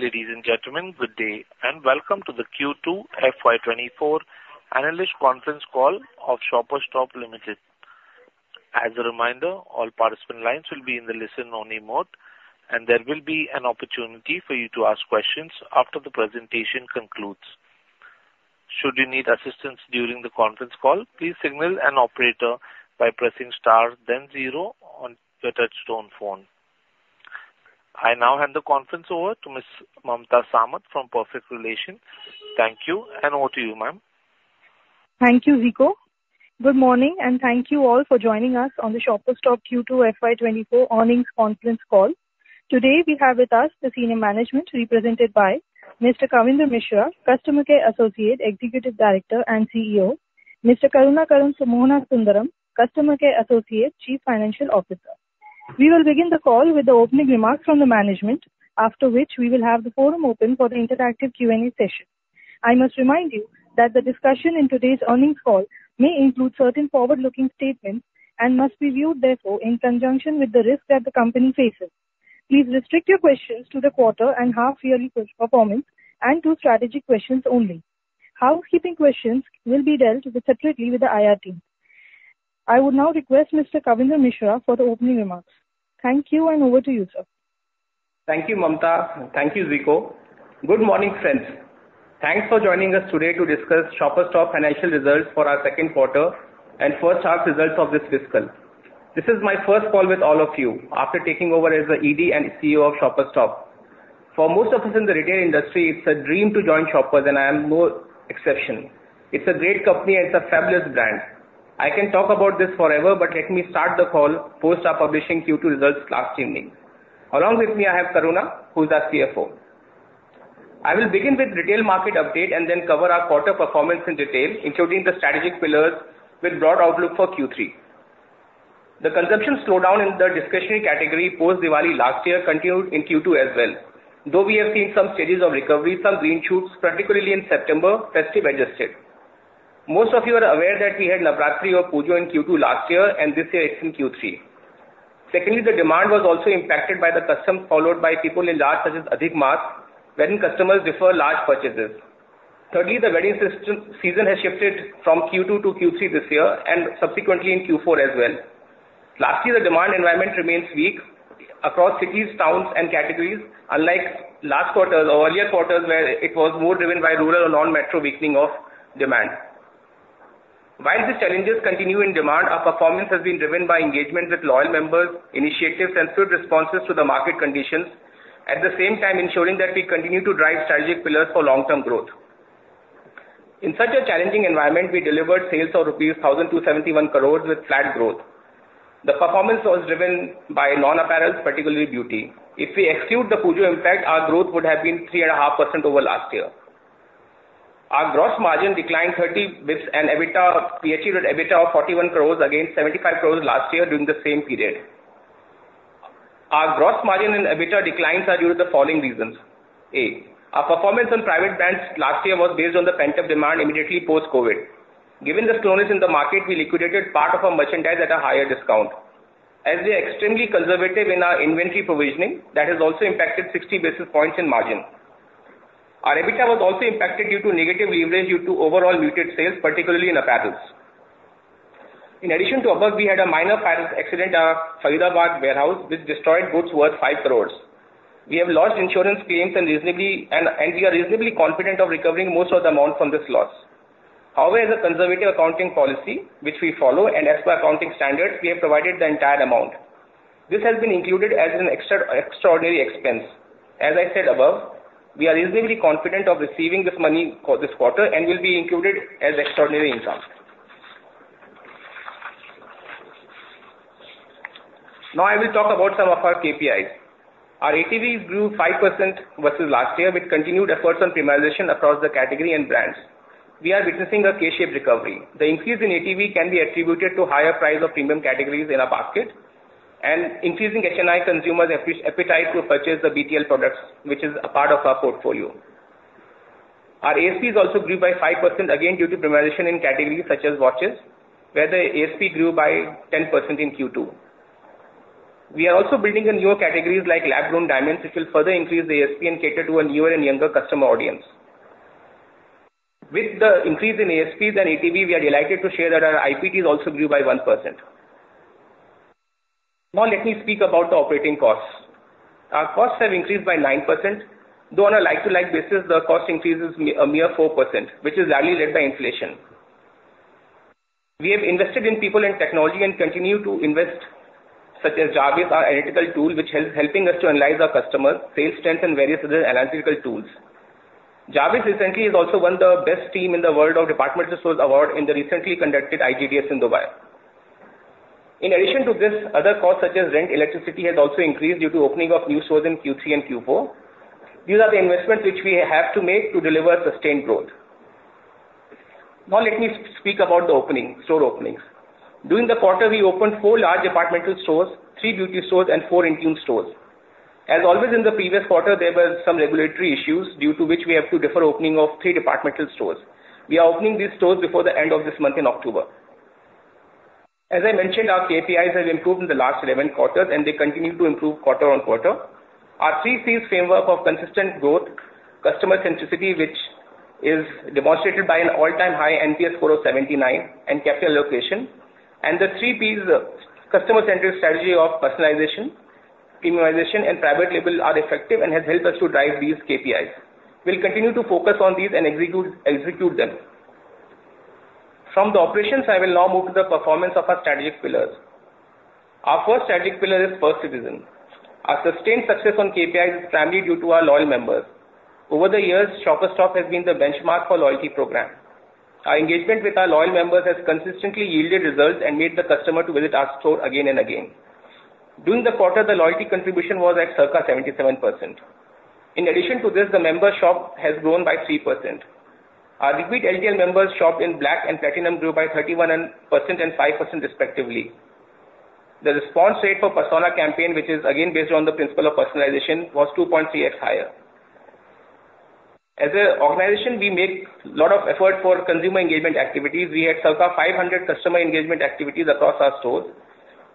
Ladies and gentlemen, good day, and welcome to the Q2 FY 2024 analyst conference call of Shoppers Stop Limited. As a reminder, all participant lines will be in the listen-only mode, and there will be an opportunity for you to ask questions after the presentation concludes. Should you need assistance during the conference call, please signal an operator by pressing star then zero on the touchtone phone. I now hand the conference over to Ms. Mamta Samat from Perfect Relations. Thank you, and over to you, ma'am. Thank you, Ziko. Good morning, and thank you all for joining us on the Shoppers Stop Q2 FY24 earnings conference call. Today, we have with us the senior management, represented by Mr. Kavindra Mishra, Managing Director and CEO, Mr. Karunakaran Mohanasundaram, Chief Financial Officer. We will begin the call with the opening remarks from the management, after which we will have the forum open for the interactive Q&A session. I must remind you that the discussion in today's earnings call may include certain forward-looking statements and must be viewed, therefore, in conjunction with the risk that the company faces. Please restrict your questions to the quarter and half-yearly performance and to strategic questions only. Housekeeping questions will be dealt with separately with the IR team. I would now request Mr. Kavindra Mishra for the opening remarks. Thank you, and over to you, sir. Thank you, Mamata. Thank you, Ziko. Good morning, friends. Thanks for joining us today to discuss Shoppers Stop's financial results for our Q2 and first half results of this fiscal. This is my first call with all of you after taking over as the ED and CEO of Shoppers Stop. For most of us in the retail industry, it's a dream to join Shoppers, and I am no exception. It's a great company, and it's a fabulous brand. I can talk about this forever, but let me start the call post our publishing Q2 results last evening. Along with me, I have Karuna, who's our CFO. I will begin with retail market update and then cover our quarter performance in detail, including the strategic pillars with broad outlook for Q3. The consumption slowdown in the discretionary category post-Diwali last year continued in Q2 as well, though we have seen some stages of recovery, some green shoots, particularly in September, festive adjusted. Most of you are aware that we had Navratri or Pujo in Q2 last year, and this year it's in Q3. Secondly, the demand was also impacted by the customs followed by people in large, such as Adhik Maas, when customers defer large purchases. Thirdly, the wedding season has shifted from Q2 to Q3 this year and subsequently in Q4 as well. Lastly, the demand environment remains weak across cities, towns, and categories, unlike last quarter or earlier quarters, where it was more driven by rural or non-metro weakening of demand. While these challenges continue in demand, our performance has been driven by engagement with loyal members, initiatives, and good responses to the market conditions. At the same time, ensuring that we continue to drive strategic pillars for long-term growth. In such a challenging environment, we delivered sales of INR 1,271 crore with flat growth. The performance was driven by non-apparel, particularly beauty. If we exclude the Pujo impact, our growth would have been 3.5% over last year. Our gross margin declined 30 basis points, and EBITDA, we achieved an EBITDA of 41 crore against 75 crore last year during the same period. Our gross margin and EBITDA declines are due to the following reasons: A, our performance on private brands last year was based on the pent-up demand immediately post-COVID. Given the slowness in the market, we liquidated part of our merchandise at a higher discount. As we are extremely conservative in our inventory provisioning, that has also impacted sixty basis points in margin. Our EBITDA was also impacted due to negative leverage due to overall muted sales, particularly in apparels. In addition to above, we had a minor fire accident at our Faridabad warehouse, which destroyed goods worth 5 crore. We have launched insurance claims and we are reasonably confident of recovering most of the amount from this loss. However, the conservative accounting policy which we follow and as per accounting standards, we have provided the entire amount. This has been included as an extra, extraordinary expense. As I said above, we are reasonably confident of receiving this money this quarter and will be included as extraordinary income. Now, I will talk about some of our KPIs. Our ATVs grew 5% versus last year, with continued efforts on premiumization across the category and brands. We are witnessing a K-shaped recovery. The increase in ATV can be attributed to higher price of premium categories in our basket and increasing HNI consumers' appetite to purchase the BTL products, which is a part of our portfolio. Our ASPs also grew by 5%, again, due to premiumization in categories such as watches, where the ASP grew by 10% in Q2. We are also building in newer categories like lab-grown diamonds, which will further increase the ASP and cater to a newer and younger customer audience. With the increase in ASPs and ATV, we are delighted to share that our IPT has also grew by 1%. Now, let me speak about the operating costs. Our costs have increased by 9%, though on a like-to-like basis, the cost increase is a mere 4%, which is largely led by inflation. We have invested in people and technology and continue to invest, such as Jarvis, our analytical tool, which is helping us to analyze our customers, sales trends, and various other analytical tools. Jarvis recently has also won the best team in the world of department stores award in the recently conducted IGDS in Dubai. In addition to this, other costs, such as rent, electricity, have also increased due to opening of new stores in Q3 and Q4. These are the investments which we have to make to deliver sustained growth. Now, let me speak about the opening, store openings. During the quarter, we opened four large departmental stores, three beauty stores, and four INTUNE stores. As always, in the previous quarter, there were some regulatory issues, due to which we have to defer opening of three departmental stores. We are opening these stores before the end of this month in October. As I mentioned, our KPIs have improved in the last 11 quarters, and they continue to improve quarter-over-quarter. Our three C's framework of consistent growth, customer centricity, which is demonstrated by an all-time high NPS score of 79 and capital allocation. The three Ps of customer-centric strategy of personalization, premiumization, and private label are effective and has helped us to drive these KPIs. We'll continue to focus on these and execute, execute them. From the operations, I will now move to the performance of our strategic pillars. Our first strategic pillar is First Citizen. Our sustained success on KPIs is primarily due to our loyal members. Over the years, Shoppers Stop has been the benchmark for loyalty program. Our engagement with our loyal members has consistently yielded results and made the customer to visit our store again and again. During the quarter, the loyalty contribution was at circa 77%. In addition to this, the member shop has grown by 3%. Our loyal LTL members shopped in Black and Platinum grew by 31% and 5%, respectively. The response rate for persona campaign, which is again based on the principle of personalization, was 2.3x higher. As an organization, we make a lot of effort for consumer engagement activities. We had circa 500 customer engagement activities across our stores,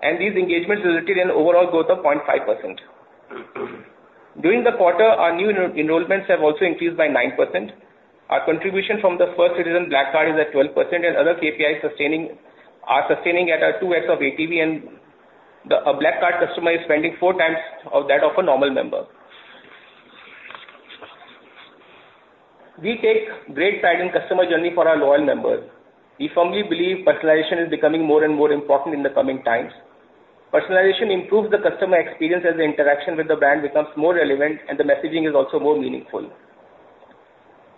and these engagements resulted in an overall growth of 0.5%. During the quarter, our new enrollments have also increased by 9%. Our contribution from the First Citizen Black Card is at 12%, and other KPIs are sustaining at a 2x of ATV, and a Black Card customer is spending four times of that of a normal member. We take great pride in customer journey for our loyal members. We firmly believe personalization is becoming more and more important in the coming times. Personalization improves the customer experience as the interaction with the brand becomes more relevant, and the messaging is also more meaningful.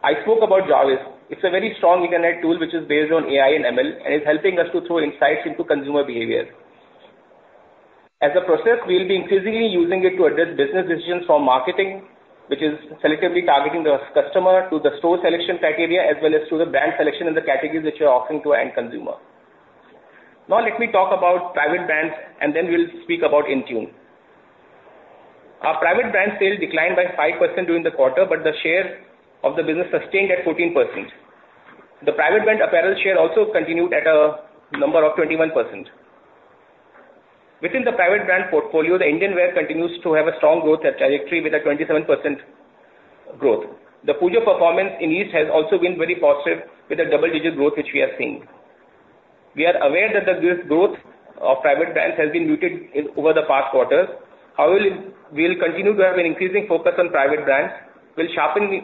I spoke about Jarvis. It's a very strong internal tool, which is based on AI and ML, and is helping us to throw insights into consumer behavior. As a process, we'll be increasingly using it to address business decisions from marketing, which is selectively targeting the customer to the store selection criteria, as well as to the brand selection and the categories which we are offering to our end consumer. Now, let me talk about private brands, and then we'll speak about INTUNE. Our private brand sales declined by 5% during the quarter, but the share of the business sustained at 14%. The private brand apparel share also continued at a number of 21%. Within the private brand portfolio, the Indian wear continues to have a strong growth at trajectory with a 27% growth. The Pujo performance in East has also been very positive, with a double-digit growth, which we are seeing. We are aware that the this growth of private brands has been muted in over the past quarters. However, we'll continue to have an increasing focus on private brands. We'll sharpen the,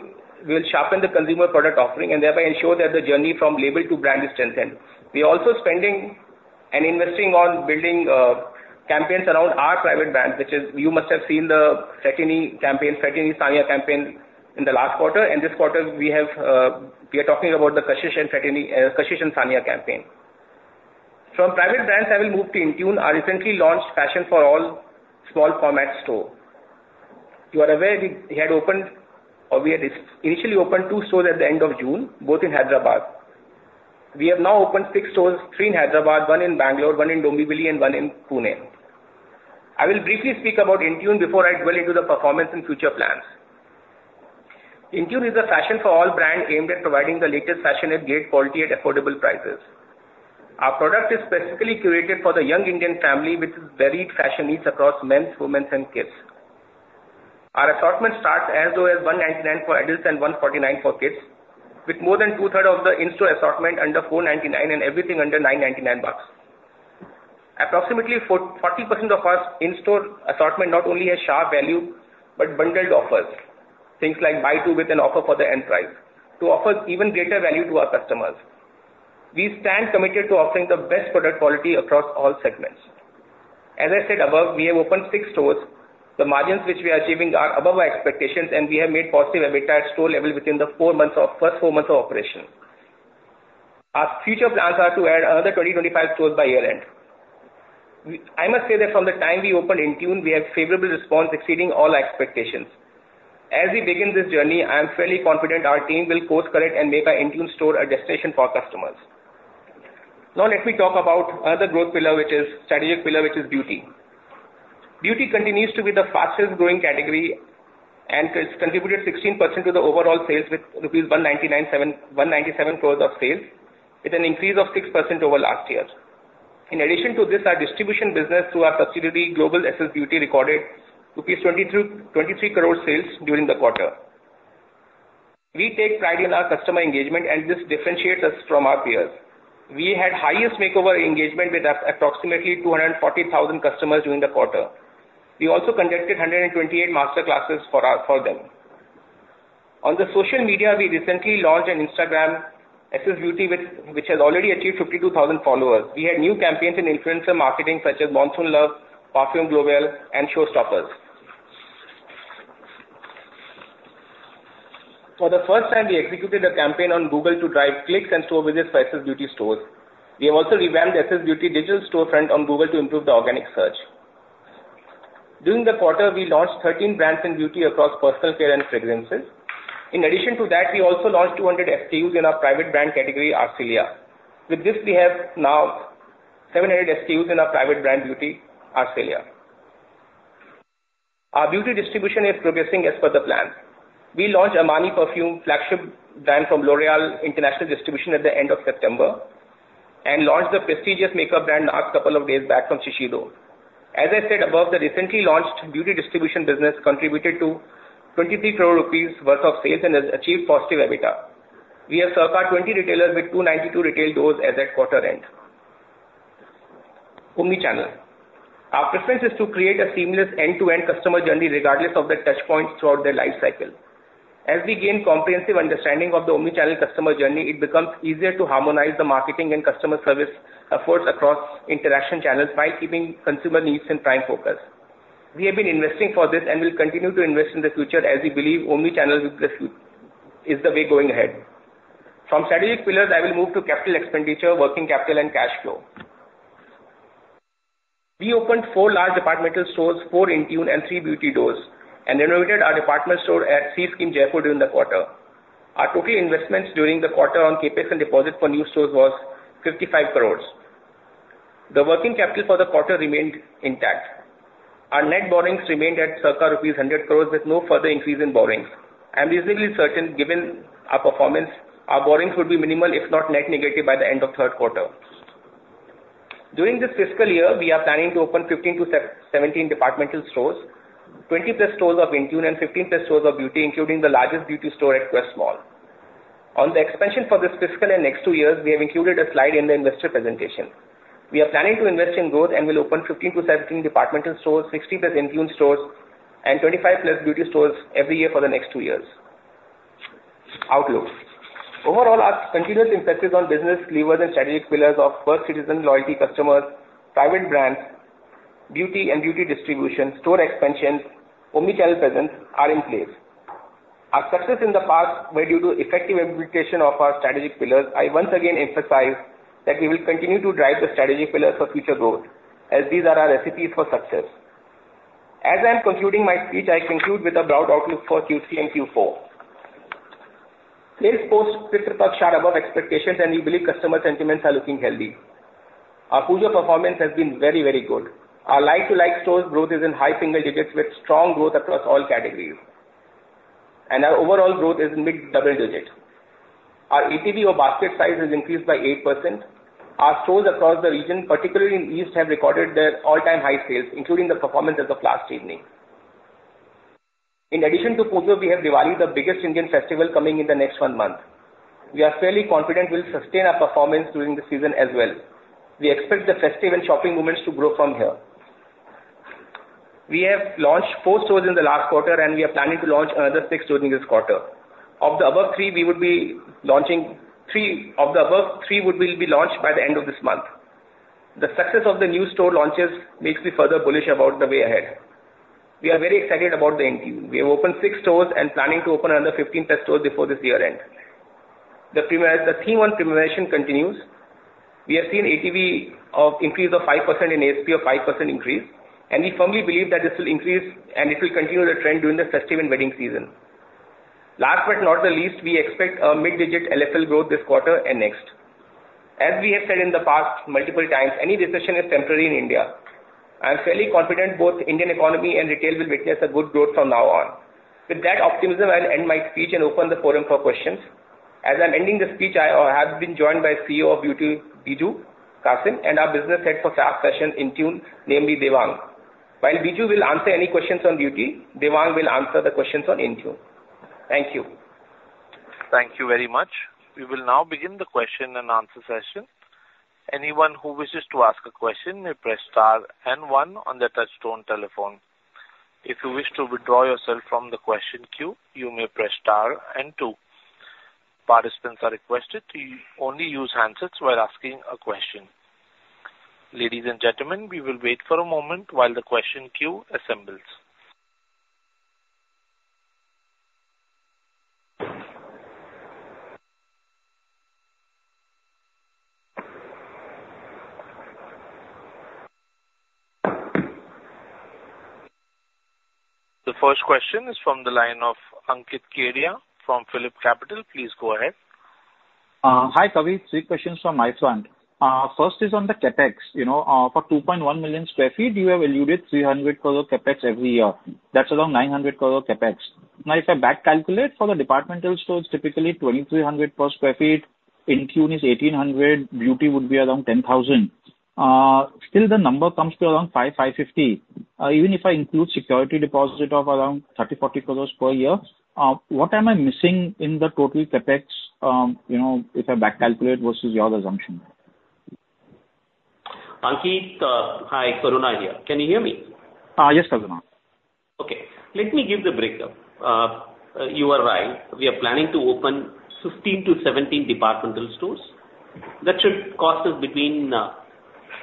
we'll sharpen the consumer product offering and thereby ensure that the journey from label to brand is strengthened. We are also spending and investing on building campaigns around our private brands, which is. You must have seen the Fetani campaign, Fetani x Sanya campaign in the last quarter, and this quarter, we have, we are talking about the Kashish and Fetani, Kashish and Sanya campaign. From private brands, I will move to INTUNE, our recently launched fashion for all small format store. You are aware we, we had opened, or we had initially opened two stores at the end of June, both in Hyderabad. We have now opened six stores, three in Hyderabad, one in Bangalore, one in Dombivli, and one in Pune. I will briefly speak about INTUNE before I dwell into the performance and future plans. INTUNE is a fashion for all brand aimed at providing the latest fashion and great quality at affordable prices. Our product is specifically curated for the young Indian family, with varied fashion needs across men's, women's, and kids. Our assortment starts as low as 199 for adults and 149 for kids, with more than two-thirds of the in-store assortment under 499, and everything under 999 bucks. Approximately for 40% of our in-store assortment not only has sharp value, but bundled offers, things like buy two with an offer for the end price, to offer even greater value to our customers. We stand committed to offering the best product quality across all segments. As I said above, we have opened 6 stores. The margins which we are achieving are above our expectations, and we have made positive EBITDA at store level within the first four months of operation. Our future plans are to add another 20-25 stores by year-end. I must say that from the time we opened INTUNE, we have favorable response exceeding all our expectations. As we begin this journey, I am fairly confident our team will course correct and make our INTUNE store a destination for customers. Now, let me talk about another growth pillar, which is strategic pillar, which is beauty. Beauty continues to be the fastest growing category and has contributed 16% to the overall sales, with 197 crore of sales, with an increase of 6% over last year. In addition to this, our distribution business through our subsidiary, Global SS Beauty, recorded rupees 22-23 crore sales during the quarter. We take pride in our customer engagement, and this differentiates us from our peers. We had highest makeover engagement with approximately 240,000 customers during the quarter. We also conducted 128 master classes for them. On social media, we recently launched an Instagram SS Beauty, which has already achieved 52,000 followers. We had new campaigns in influencer marketing, such as Monsoon Love, Perfume Global, and Showstoppers. For the first time, we executed a campaign on Google to drive clicks and store visits to SS Beauty stores. We have also revamped the SS Beauty digital storefront on Google to improve the organic search. During the quarter, we launched 13 brands in beauty across personal care and fragrances. In addition to that, we also launched 200 SKUs in our private brand category, Arcelia. With this, we have now 700 SKUs in our private brand beauty, Arcelia. Our beauty distribution is progressing as per the plan. We launched Armani perfume flagship brand from L'Oréal International Distribution at the end of September, and launched the prestigious makeup brand last couple of days back from Shiseido. As I said above, the recently launched beauty distribution business contributed to 23 crore rupees worth of sales and has achieved positive EBITDA. We have circa 20 retailers with 292 retail doors as at quarter end. Omnichannel. Our preference is to create a seamless end-to-end customer journey, regardless of the touch points throughout their life cycle. As we gain comprehensive understanding of the omnichannel customer journey, it becomes easier to harmonize the marketing and customer service efforts across interaction channels by keeping consumer needs in prime focus. We have been investing for this and will continue to invest in the future as we believe omnichannel will be, is the way going ahead. From strategic pillars, I will move to capital expenditure, working capital and cash flow. We opened 4 large department stores, 4 INTUNE and 3 beauty doors, and renovated our department store at C-Scheme, Jaipur, during the quarter. Our total investments during the quarter on CapEx and deposit for new stores was 55 crore. The working capital for the quarter remained intact. Our net borrowings remained at circa rupees 100 crore, with no further increase in borrowings. I'm reasonably certain, given our performance, our borrowings would be minimal, if not net negative, by the end of Q3. During this fiscal year, we are planning to open 15-17 department stores, 20+ stores of INTUNE, and 15+ stores of beauty, including the largest beauty store at Quest Mall. On the expansion for this fiscal and next two years, we have included a slide in the investor presentation. We are planning to invest in growth and will open 15-17 department stores, 60+ INTUNE stores, and 25+ beauty stores every year for the next two years. Outlook. Overall, our continuous emphasis on business levers and strategic pillars of First Citizen loyalty customers, private brands, beauty and beauty distribution, store expansion, Omnichannel presence are in place. Our success in the past were due to effective implementation of our strategic pillars. I once again emphasize that we will continue to drive the strategic pillars for future growth, as these are our recipes for success. As I'm concluding my speech, I conclude with a broad outlook for Q3 and Q4. Sales post Vishwakarma are above expectations, and we believe customer sentiments are looking healthy. Our Pujo performance has been very, very good. Our like-for-like stores growth is in high single digits, with strong growth across all categories, and our overall growth is mid-double digit. Our ATV or basket size has increased by 8%. Our stores across the region, particularly in east, have recorded their all-time high sales, including the performance as of last evening. In addition to Pujo, we have Diwali, the biggest Indian festival, coming in the next one month. We are fairly confident we'll sustain our performance during the season as well. We expect the festive and shopping moments to grow from here. We have launched four stores in the last quarter, and we are planning to launch another six during this quarter. Of the above three, we would be launching three by the end of this month. The success of the new store launches makes me further bullish about the way ahead. We are very excited about the INTUNE. We have opened six stores and planning to open another 15+ stores before this year end. The premise, the theme on premiumization continues. We have seen ATV increase of 5% and ASP 5% increase, and we firmly believe that this will increase and it will continue the trend during the festive and wedding season. Last but not the least, we expect a mid single-digit LFL growth this quarter and next. As we have said in the past multiple times, any recession is temporary in India. I am fairly confident both Indian economy and retail will witness a good growth from now on. With that optimism, I'll end my speech and open the forum for questions. As I'm ending the speech, I have been joined by CEO of Beauty, Biju Kassim, and our Business Head for fashion INTUNE, namely Devang. While Biju will answer any questions on beauty, Devang will answer the questions on INTUNE. Thank you. Thank you very much. We will now begin the question-and-answer session. Anyone who wishes to ask a question may press star and one on their touchtone telephone. If you wish to withdraw yourself from the question queue, you may press star and two. Participants are requested to only use handsets while asking a question. Ladies and gentlemen, we will wait for a moment while the question queue assembles. The first question is from the line of Ankit Kedia from PhillipCapital. Please go ahead. Hi, Kavindra. Three questions from my front. First is on the CapEx. You know, for 2.1 million sq ft, you have alluded 300 crore CapEx every year. That's around 900 crore CapEx. Now, if I back calculate for the departmental stores, typically 2,300 per sq ft, INTUNE is 1,800, beauty would be around 10,000. Still the number comes to around 550. Even if I include security deposit of around 30-40 crore per year, what am I missing in the total CapEx, you know, if I back calculate versus your assumption? Ankit, hi, Karuna here. Can you hear me? Yes, Karuna. Okay, let me give the breakdown. You are right, we are planning to open 15-17 department stores. That should cost us between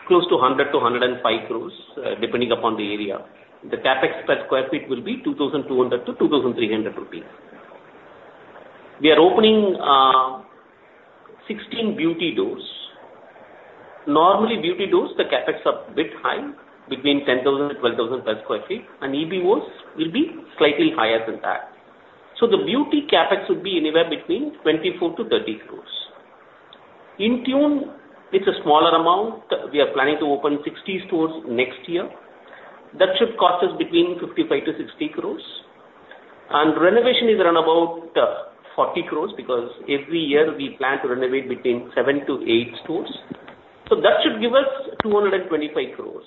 close to 100-105 crore, depending upon the area. The CapEx per sq ft will be 2,200-2,300 rupees. We are opening 16 beauty doors. Normally, beauty doors, the CapEx are a bit high, between 10,000-12,000 per sq ft, and EBOs will be slightly higher than that. So the beauty CapEx would be anywhere between 24-30 crore. ...INTUNE, it's a smaller amount. We are planning to open 60 stores next year. That should cost us between 55-60 crore. Renovation is around about 40 crore, because every year we plan to renovate between 7-8 stores. That should give us 225 crore,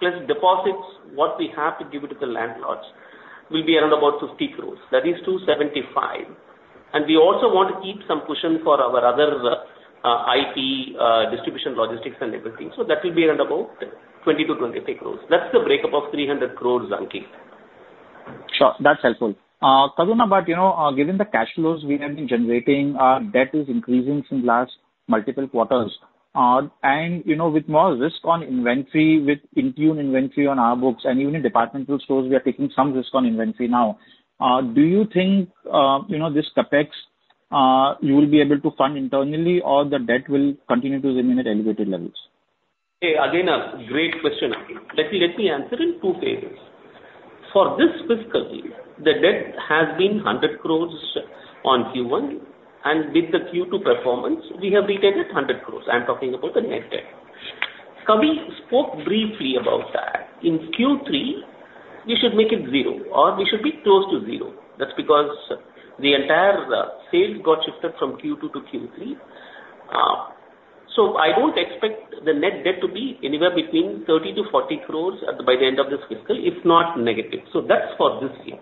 plus deposits, what we have to give it to the landlords, will be around about 50 crore. That is 275. We also want to keep some cushion for our other IT, distribution, logistics, and everything. That will be around about 20-25 crore. That's the breakup of 300 crore, Ankit. Sure, that's helpful. Karuna, but you know, given the cash flows we have been generating, our debt is increasing since last multiple quarters. You know, with more risk on inventory, with INTUNE inventory on our books and even in department stores, we are taking some risk on inventory now. Do you think, you know, this CapEx you will be able to fund internally or the debt will continue to remain at elevated levels? Hey, again, a great question, Ankit. Let me, let me answer in two phases. For this fiscal year, the debt has been 100 crore on Q1, and with the Q2 performance, we have retained it 100 crore. I'm talking about the net debt. Kavi spoke briefly about that. In Q3, we should make it zero, or we should be close to zero. That's because the entire sales got shifted from Q2 to Q3. So I don't expect the net debt to be anywhere between 30 crore-40 crore by the end of this fiscal, if not negative. So that's for this year.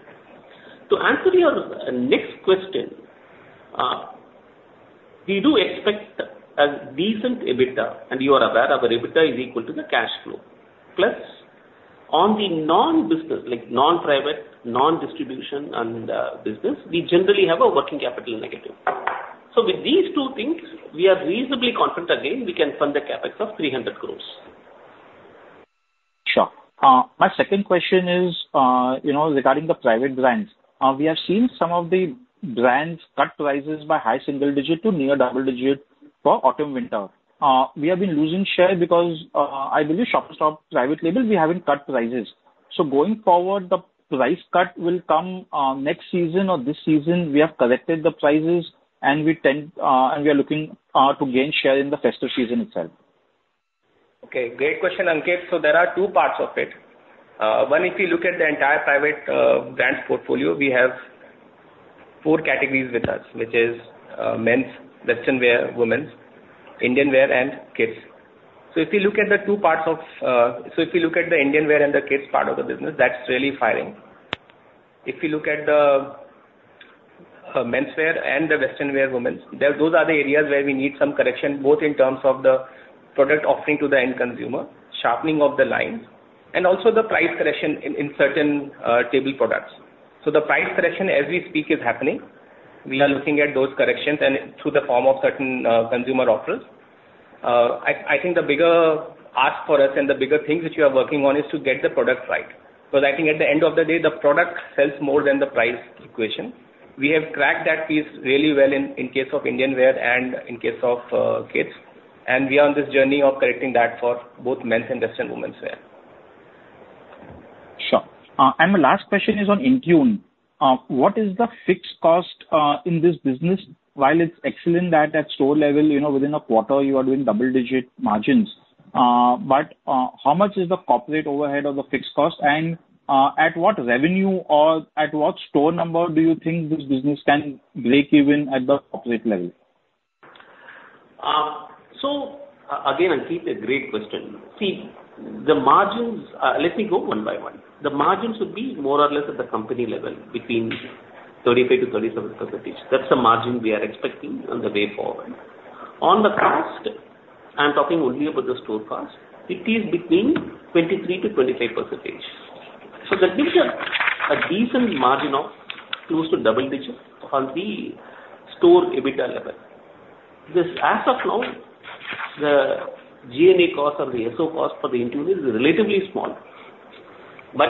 To answer your next question, we do expect a decent EBITDA, and you are aware our EBITDA is equal to the cash flow, plus on the non-business, like non-private, non-distribution and business, we generally have a working capital negative. With these two things, we are reasonably confident again, we can fund the CapEx of 300 crore. Sure. My second question is, you know, regarding the private brands. We have seen some of the brands cut prices by high single-digit to near double-digit for autumn/winter. We have been losing share because, I believe Shoppers Stop private label, we haven't cut prices. So going forward, the price cut will come, next season or this season. We have corrected the prices and we tend, and we are looking, to gain share in the festive season itself. Okay, great question, Ankit. So there are two parts of it. One, if you look at the entire private brand portfolio, we have four categories with us, which is men's, western wear women's, Indian wear, and kids. So if you look at the Indian wear and the kids part of the business, that's really firing. If you look at the menswear and the western wear women's, those are the areas where we need some correction, both in terms of the product offering to the end consumer, sharpening of the lines, and also the price correction in certain staple products. So the price correction as we speak is happening. We are looking at those corrections and in the form of certain consumer offers. I think the bigger ask for us and the bigger things which we are working on, is to get the product right. Because I think at the end of the day, the product sells more than the price equation. We have cracked that piece really well in case of Indian wear and in case of kids, and we are on this journey of correcting that for both men's and western women's wear. Sure. And my last question is on INTUNE. What is the fixed cost in this business? While it's excellent that at store level, you know, within a quarter you are doing double-digit margins, but how much is the corporate overhead or the fixed cost? And at what revenue or at what store number do you think this business can break even at the corporate level? So again, Ankit, a great question. See, the margins, let me go one by one. The margins would be more or less at the company level, between 35%-37%. That's the margin we are expecting on the way forward. On the cost, I'm talking only about the store cost, it is between 23%-25%. So that gives you a decent margin of close to double digits on the store EBITDA level. This, as of now, the G&A cost and the SO cost for the INTUNE is relatively small. But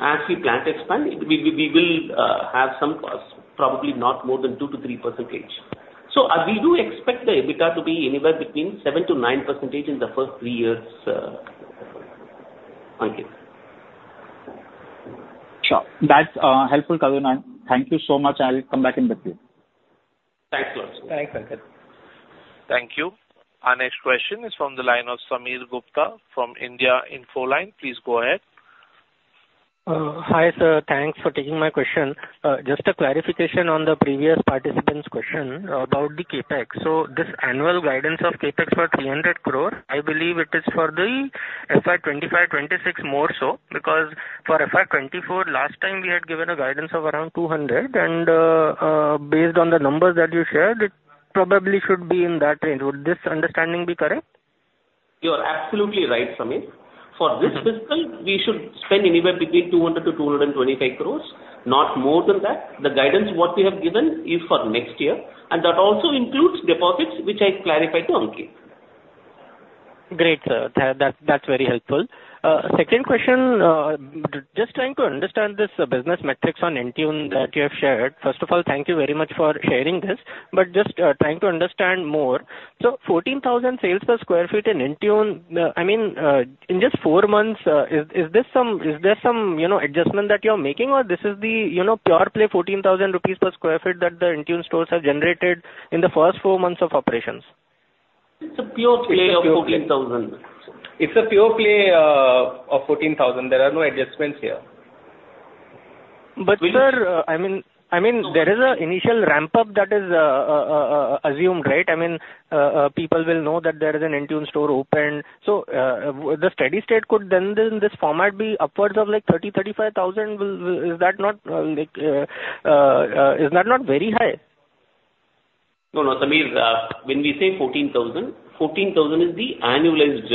as we plan to expand, we will have some costs, probably not more than 2-3%. So, we do expect the EBITDA to be anywhere between 7%-9% in the first three years, Ankit. Sure. That's helpful, Karuna. Thank you so much. I'll come back in the queue. Thanks a lot. Thanks, Ankit. Thank you. Our next question is from the line of Sameer Gupta from India Infoline. Please go ahead. Hi, sir. Thanks for taking my question. Just a clarification on the previous participant's question about the CapEx. So this annual guidance of CapEx for 300 crore, I believe it is for the FY 2025, 2026, more so, because for FY 2024, last time we had given a guidance of around 200, and, based on the numbers that you shared, it probably should be in that range. Would this understanding be correct? You are absolutely right, Sameer. Mm-hmm. For this fiscal, we should spend anywhere between 200 crore-225 crore, not more than that. The guidance, what we have given, is for next year, and that also includes deposits, which I clarified to Ankit. Great, sir. That, that's very helpful. Second question, just trying to understand this business metrics on INTUNE that you have shared. First of all, thank you very much for sharing this, but just trying to understand more. So 14,000 sales per sq ft in INTUNE, I mean, in just four months, is this some adjustment that you're making, or is this the, you know, pure play 14,000 rupees per sq ft that the INTUNE stores have generated in the first four months of operations? It's a pure play of 14,000. It's a pure play of 14,000. There are no adjustments here. But, sir, I mean, I mean, there is an initial ramp-up that is assumed, right? I mean, people will know that there is an INTUNE store open. So, the steady state could then, in this format, be upwards of, like, 30-35 thousand. Will, is that not, like, is that not very high? No, no, Sameer, when we say 14,000, 14,000 is the annualized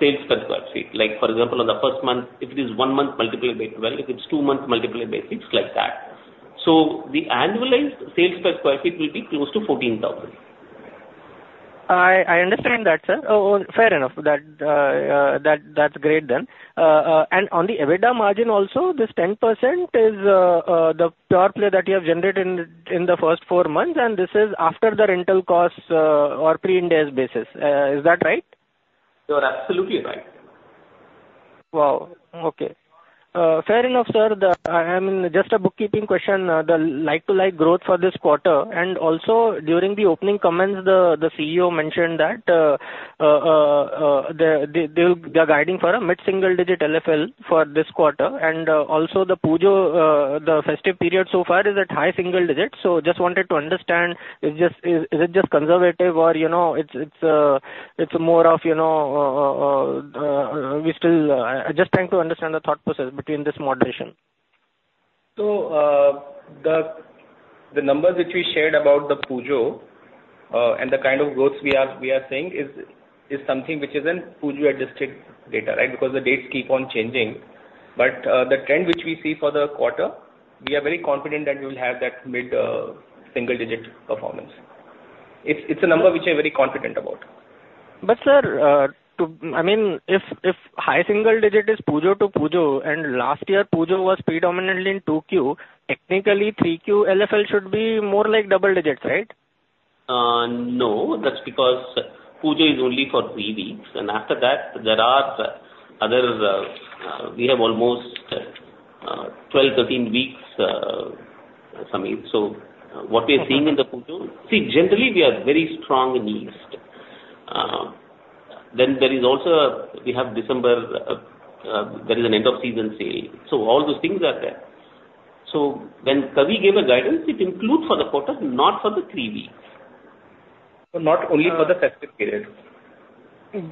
sales per sq ft. Like, for example, on the first month, if it is one month, multiply by 12, if it's two months, multiply by six, like that. So the annualized sales per sq ft will be close to 14,000. I understand that, sir. Fair enough. That, that's great then. And on the EBITDA margin also, this 10% is the pure play that you have generated in the first four months, and this is after the rental costs, or pre-indents basis. Is that right? You're absolutely right. Wow! Okay. Fair enough, sir. The, I mean, just a bookkeeping question, the like-for-like growth for this quarter, and also during the opening comments, the CEO mentioned that, they’re guiding for a mid-single-digit LFL for this quarter. And also the Pujo, the festive period so far is at high single digits. So just wanted to understand, it’s just, is it just conservative or, you know, it’s more of, you know, just trying to understand the thought process between this moderation. So, the numbers which we shared about the Pujo, and the kind of growth we are seeing is something which is in Pujo-adjusted data, right? Because the dates keep on changing. But, the trend which we see for the quarter, we are very confident that we will have that mid-single-digit performance. It's a number which I'm very confident about. But, sir, I mean, if high single digit is Pujo to Pujo, and last year Pujo was predominantly in 2Q, technically 3Q LFL should be more like double digits, right? No, that's because Pujo is only for three weeks, and after that, there are other. We have almost 12, 13 weeks, Samir. So what we are seeing in the Pujo. See, generally, we are very strong in the east. Then there is also a, we have December, there is an end of season sale. So all those things are there. So when Kavi gave a guidance, it includes for the quarter, not for the three weeks. So not only for the festive period.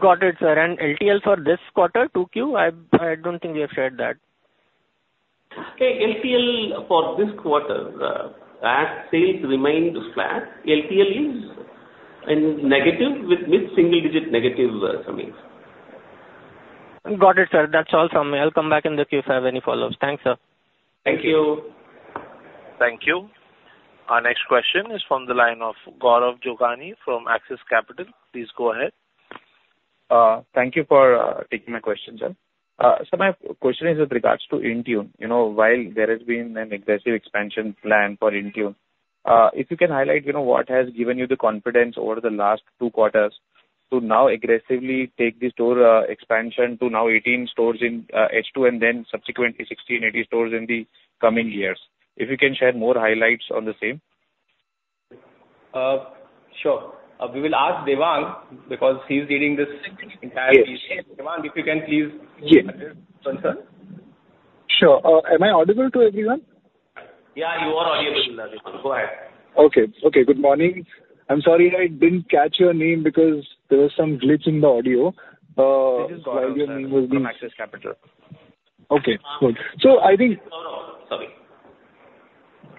Got it, sir. LTL for this quarter, 2Q, I don't think you have shared that. Okay, LTL for this quarter, as sales remain flat, LTL is in negative, with mid-single digit negative, Sameer. Got it, sir. That's all from me. I'll come back in the queue if I have any follow-ups. Thanks, sir. Thank you. Thank you. Our next question is from the line of Gaurav Jogani from Axis Capital. Please go ahead. Thank you for taking my question, sir. So my question is with regards to INTUNE. You know, while there has been an aggressive expansion plan for INTUNE, if you can highlight, you know, what has given you the confidence over the last two quarters to now aggressively take the store expansion to now 18 stores in H2 and then subsequently 16-18 stores in the coming years. If you can share more highlights on the same. Sure. We will ask Devang, because he's leading this entire region. Yes. Devang, if you can please- Yes. Address concern. Sure. Am I audible to everyone? Yeah, you are audible, Devang. Go ahead. Okay. Okay, good morning. I'm sorry I didn't catch your name because there was some glitch in the audio. Your name was- This is Gaurav from Axis Capital. Okay, cool. So I think- No, no. Sorry.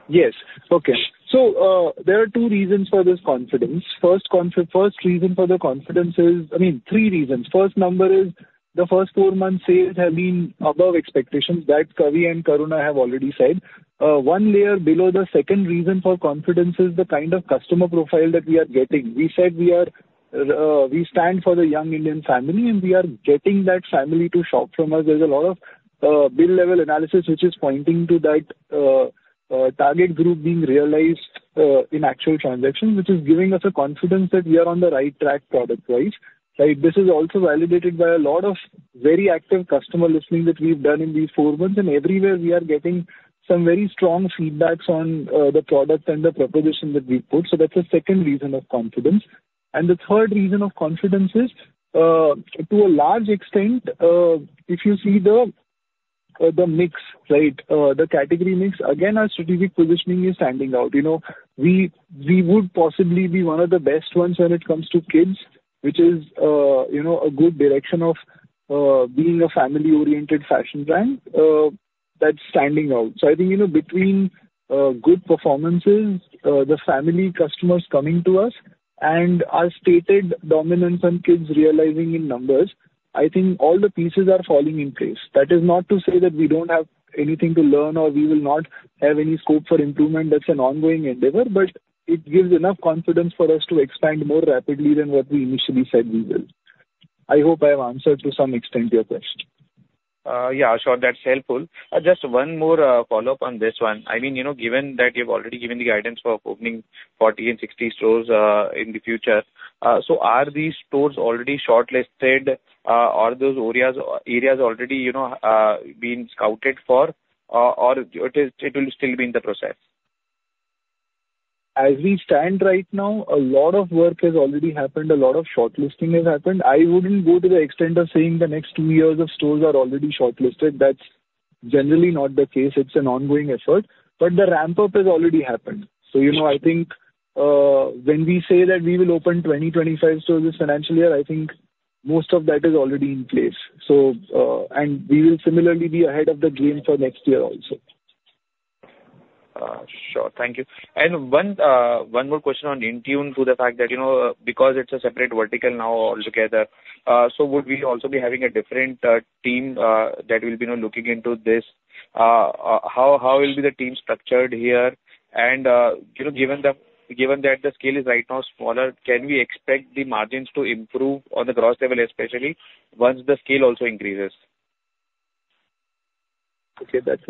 Yes. Okay. So, there are 2 reasons for this confidence. First reason for the confidence is, I mean, three reasons. First number is the first four months sales have been above expectations, that Kavi and Karuna have already said. One layer below, the second reason for confidence is the kind of customer profile that we are getting. We said we are, we stand for the young Indian family, and we are getting that family to shop from us. There's a lot of, bill-level analysis which is pointing to that, target group being realized, in actual transactions, which is giving us a confidence that we are on the right track product-wise, right? This is also validated by a lot of very active customer listening that we've done in these four months, and everywhere we are getting some very strong feedbacks on the product and the proposition that we put. So that's the second reason of confidence. And the third reason of confidence is, to a large extent, if you see the mix, right, the category mix, again, our strategic positioning is standing out. You know, we would possibly be one of the best ones when it comes to kids, which is, you know, a good direction of being a family-oriented fashion brand, that's standing out. So I think, you know, between good performances, the family customers coming to us and our stated dominance on kids realizing in numbers, I think all the pieces are falling in place. That is not to say that we don't have anything to learn or we will not have any scope for improvement. That's an ongoing endeavor, but it gives enough confidence for us to expand more rapidly than what we initially said we will. I hope I have answered to some extent your question. Yeah, sure. That's helpful. Just one more follow-up on this one. I mean, you know, given that you've already given the guidance for opening 40 and 60 stores in the future, so are these stores already shortlisted? Are those areas already, you know, been scouted for, or it is, it will still be in the process? ...As we stand right now, a lot of work has already happened, a lot of shortlisting has happened. I wouldn't go to the extent of saying the next two years of stores are already shortlisted. That's generally not the case. It's an ongoing effort, but the ramp-up has already happened. So, you know, I think, when we say that we will open 20-25 stores this financial year, I think most of that is already in place. So, and we will similarly be ahead of the game for next year also. Sure. Thank you. And one more question on INTUNE, to the fact that, you know, because it's a separate vertical now altogether, so would we also be having a different team that will be now looking into this? How will be the team structured here? And, you know, given that the scale is right now smaller, can we expect the margins to improve on the gross level, especially once the scale also increases? Okay, that's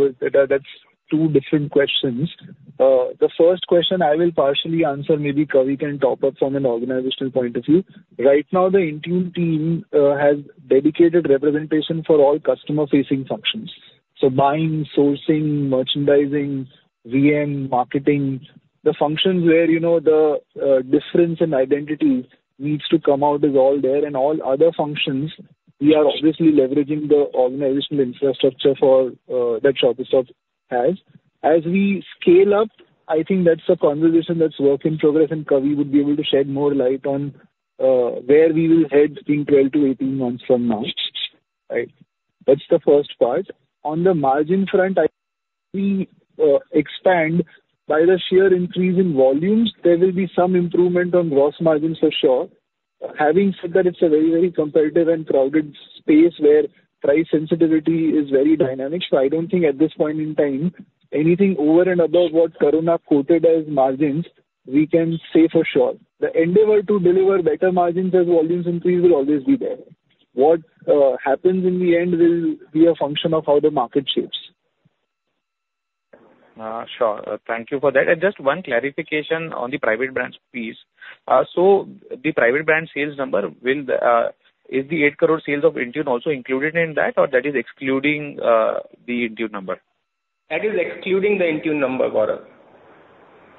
two different questions. The first question I will partially answer, maybe Kavi can top up from an organizational point of view. Right now, the Intune team has dedicated representation for all customer-facing functions. So buying, sourcing, merchandising, VM, marketing, the functions where, you know, the difference in identity needs to come out is all there and all other functions, we are obviously leveraging the organizational infrastructure for that Shoppers Stop has. As we scale up, I think that's a conversation that's work in progress, and Kavi would be able to shed more light on where we will head between 12-18 months from now, right? That's the first part. On the margin front, I expand by the sheer increase in volumes, there will be some improvement on gross margins for sure. Having said that, it's a very, very competitive and crowded space where price sensitivity is very dynamic. So I don't think at this point in time, anything over and above what Karuna quoted as margins, we can say for sure. The endeavor to deliver better margins as volumes increase, will always be there. What happens in the end will be a function of how the market shapes. Sure. Thank you for that. Just one clarification on the private brands piece. So the private brand sales number, will the—is the 8 crore sales of INTUNE also included in that, or is that excluding the INTUNE number? That is excluding the INTUNE number, Gaurav.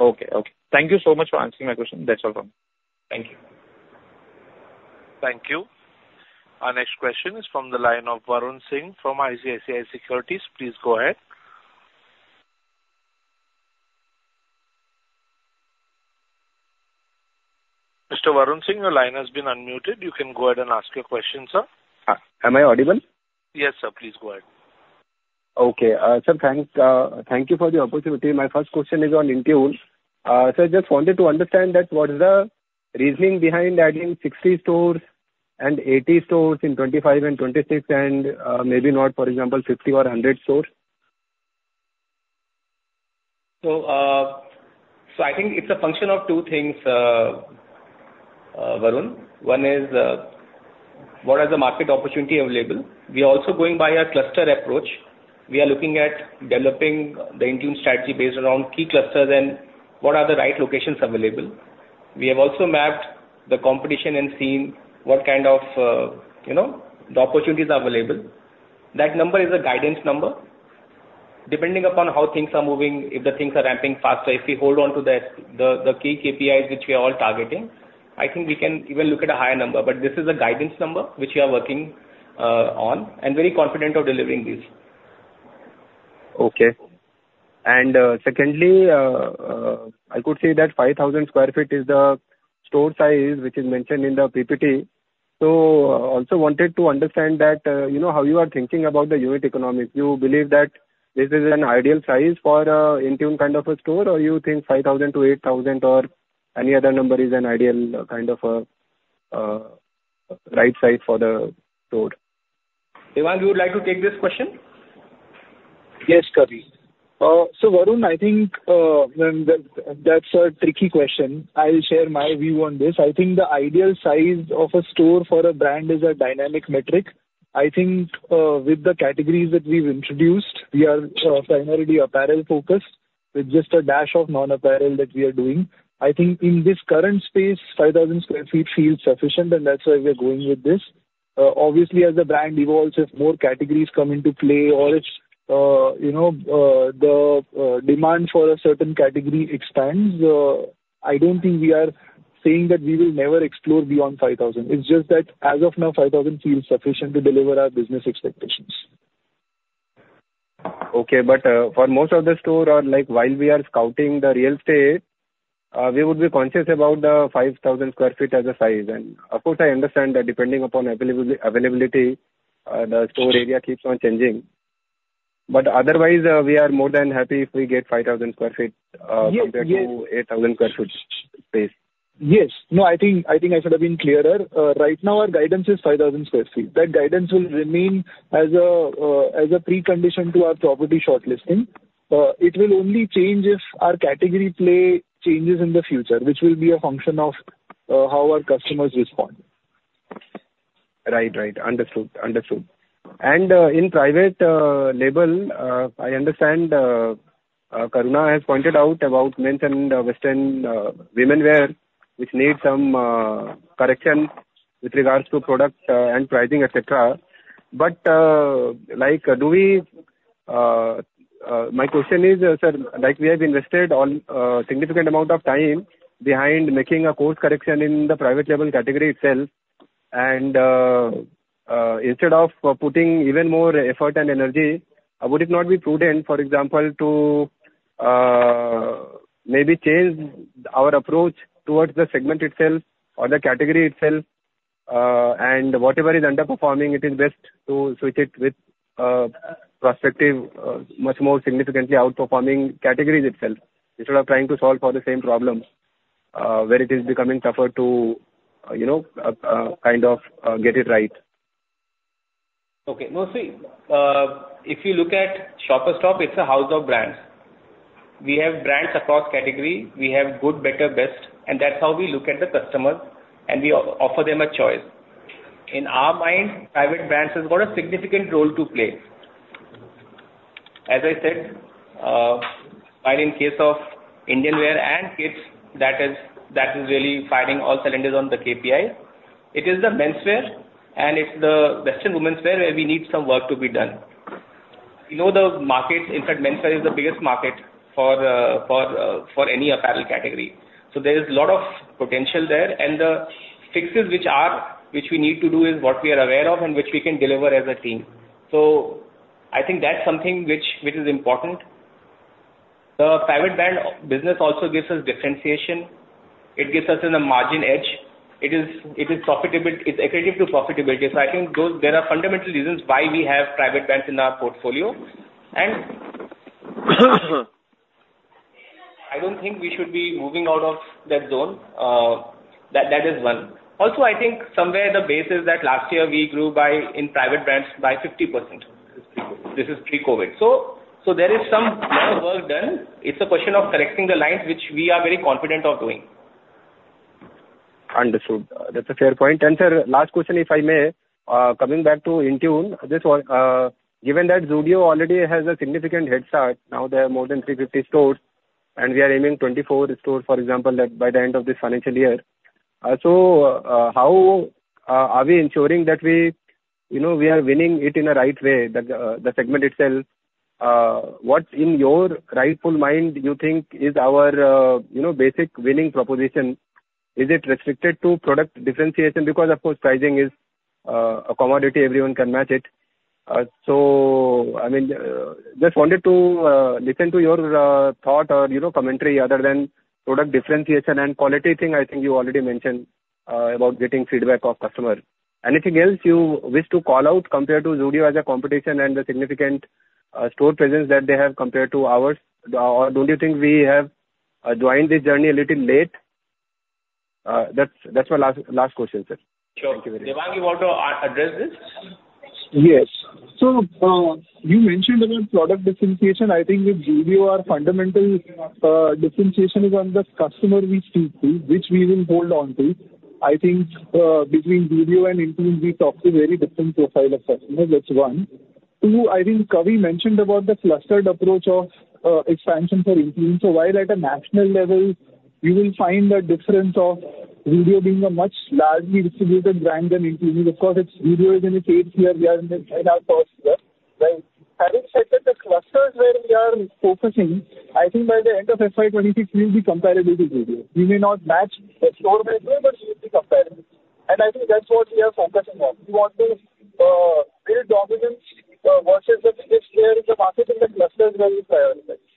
Okay. Okay. Thank you so much for answering my question. That's all from me. Thank you. Thank you. Our next question is from the line of Varun Singh from ICICI Securities. Please go ahead. Mr. Varun Singh, your line has been unmuted. You can go ahead and ask your question, sir. Am I audible? Yes, sir. Please go ahead. Okay, sir, thanks, thank you for the opportunity. My first question is on INTUNE. So I just wanted to understand that what is the reasoning behind adding 60 stores and 80 stores in 2025 and 2026, and, maybe not, for example, 50 or 100 stores? So, I think it's a function of two things, Varun. One is, what are the market opportunity available? We are also going by a cluster approach. We are looking at developing the INTUNE strategy based around key clusters and what are the right locations available. We have also mapped the competition and seen what kind of, you know, the opportunities are available. That number is a guidance number. Depending upon how things are moving, if the things are ramping faster, if we hold on to the key KPIs, which we are all targeting, I think we can even look at a higher number. But this is a guidance number, which we are working on, and very confident of delivering this. Okay. Secondly, I could say that 5,000 sq ft is the store size, which is mentioned in the PPT. Also wanted to understand that, you know, how you are thinking about the unit economics. You believe that this is an ideal size for a INTUNE kind of a store, or you think 5,000-8,000, or any other number is an ideal, kind of, right size for the store? Devang, would you like to take this question? Yes, Kavi. So Varun, I think, then that, that's a tricky question. I'll share my view on this. I think the ideal size of a store for a brand is a dynamic metric. I think, with the categories that we've introduced, we are, primarily apparel focused, with just a dash of non-apparel that we are doing. I think in this current space, 5,000 sq ft feels sufficient, and that's why we are going with this. Obviously, as the brand evolves, if more categories come into play or it's, you know, the, demand for a certain category expands, I don't think we are saying that we will never explore beyond 5,000. It's just that as of now, 5,000 feels sufficient to deliver our business expectations. Okay. But, for most of the store or like, while we are scouting the real estate, we would be conscious about the 5,000 sq ft as a size. And of course, I understand that depending upon availability, the store area keeps on changing, but otherwise, we are more than happy if we get 5,000 sq ft. Yes, yes. Compared to 8,000 sq ft space. Yes. No, I think, I think I should have been clearer. Right now, our guidance is 5,000 sq ft. That guidance will remain as a, as a precondition to our property shortlisting. It will only change if our category play changes in the future, which will be a function of, how our customers respond. Right, right. Understood, understood. And, in private label, I understand, Karuna has pointed out about men's and the western women wear, which needs some correction with regards to products and pricing, et cetera. But, like, do we, my question is, sir, like we have invested on significant amount of time behind making a course correction in the private label category itself, and, instead of putting even more effort and energy, would it not be prudent, for example, to maybe change our approach towards the segment itself or the category itself? And whatever is underperforming, it is best to switch it with prospective, much more significantly outperforming categories itself, instead of trying to solve for the same problems, where it is becoming tougher to, you know, kind of, get it right. Okay. No, see, if you look at Shoppers Stop, it's a house of brands. We have brands across category. We have good, better, best, and that's how we look at the customer, and we offer them a choice. In our mind, private brands has got a significant role to play. As I said, while in case of Indian wear and kids, that is, that is really firing all cylinders on the KPI. It is the menswear, and it's the western womenswear, where we need some work to be done. You know, the market, in fact, menswear is the biggest market for, for, for any apparel category. So there is a lot of potential there, and the fixes which are, which we need to do, is what we are aware of, and which we can deliver as a team. So I think that's something which is important. The private brand business also gives us differentiation. It gives us a margin edge. It is profitable, it's accretive to profitability. So I think those are the fundamental reasons why we have private brands in our portfolio. I don't think we should be moving out of that zone. That is one. Also, I think somewhere the base is that last year we grew by, in private brands, by 50%. This is pre-COVID. So there is some work done. It's a question of correcting the lines, which we are very confident of doing. Understood. That's a fair point. And, sir, last question, if I may. Coming back to INTUNE, this one, given that Zudio already has a significant head start, now they have more than 350 stores, and we are aiming 24 stores, for example, that by the end of this financial year. So, how are we ensuring that we, you know, we are winning it in a right way, the segment itself? What's in your right mind, you think is our, you know, basic winning proposition? Is it restricted to product differentiation? Because, of course, pricing is a commodity, everyone can match it. So I mean, just wanted to listen to your thought or, you know, commentary other than product differentiation and quality thing. I think you already mentioned about getting feedback of customer. Anything else you wish to call out compared to Zudio as a competition and the significant, store presence that they have compared to ours? Or don't you think we have joined this journey a little late? That's, that's my last, last question, sir. Sure. Thank you very much. Devang, you want to address this? Yes. So, you mentioned about product differentiation. I think with Zudio, our fundamental, differentiation is on the customer we speak to, which we will hold on to. I think, between Zudio and INTUNE, we talk to a very different profile of customers. That's one. Two, I think Kavi mentioned about the clustered approach of, expansion for INTUNE. So while at a national level, you will find the difference of Zudio being a much largely distributed brand than INTUNE. Of course, it's Zudio is in its eighth year, we are in our first year, right? Having said that, the clusters where we are focusing, I think by the end of FY 2026, we will be comparable to Zudio. We may not match the store network, but we will be comparable. And I think that's what we are focusing on. We want to build dominance versus the biggest player in the market, in the clusters where we prioritize.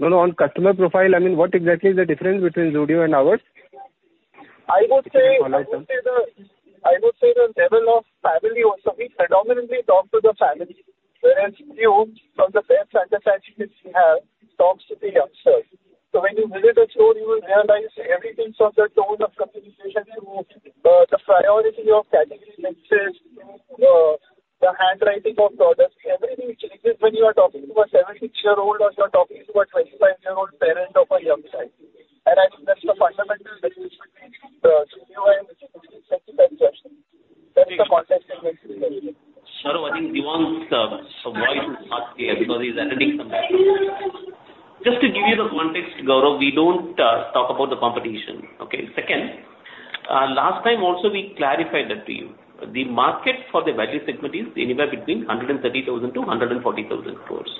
No, no, on customer profile, I mean, what exactly is the difference between Zudio and ours? I would say- All right. I would say the level of family also. We predominantly talk to the family, whereas Zudio, from the best understanding which we have, talks to the youngsters. So when you visit a store, you will realize everything from the tone of communication to the priority of category mixes, to the handwriting of products. Everything changes when you are talking to a 17-year-old, or you are talking to a 25-year-old parent of a youngster. And I think that's the fundamental difference between Zudio and INTUNE, just to add to that. That's the context I mentioned earlier. Gaurav, I think Devang's voice is not clear because he's attending from there. Just to give you the context, Gaurav, we don't talk about the competition. Okay? Second, last time also, we clarified that to you. The market for the value segment is anywhere between 130,000 and 140,000 stores.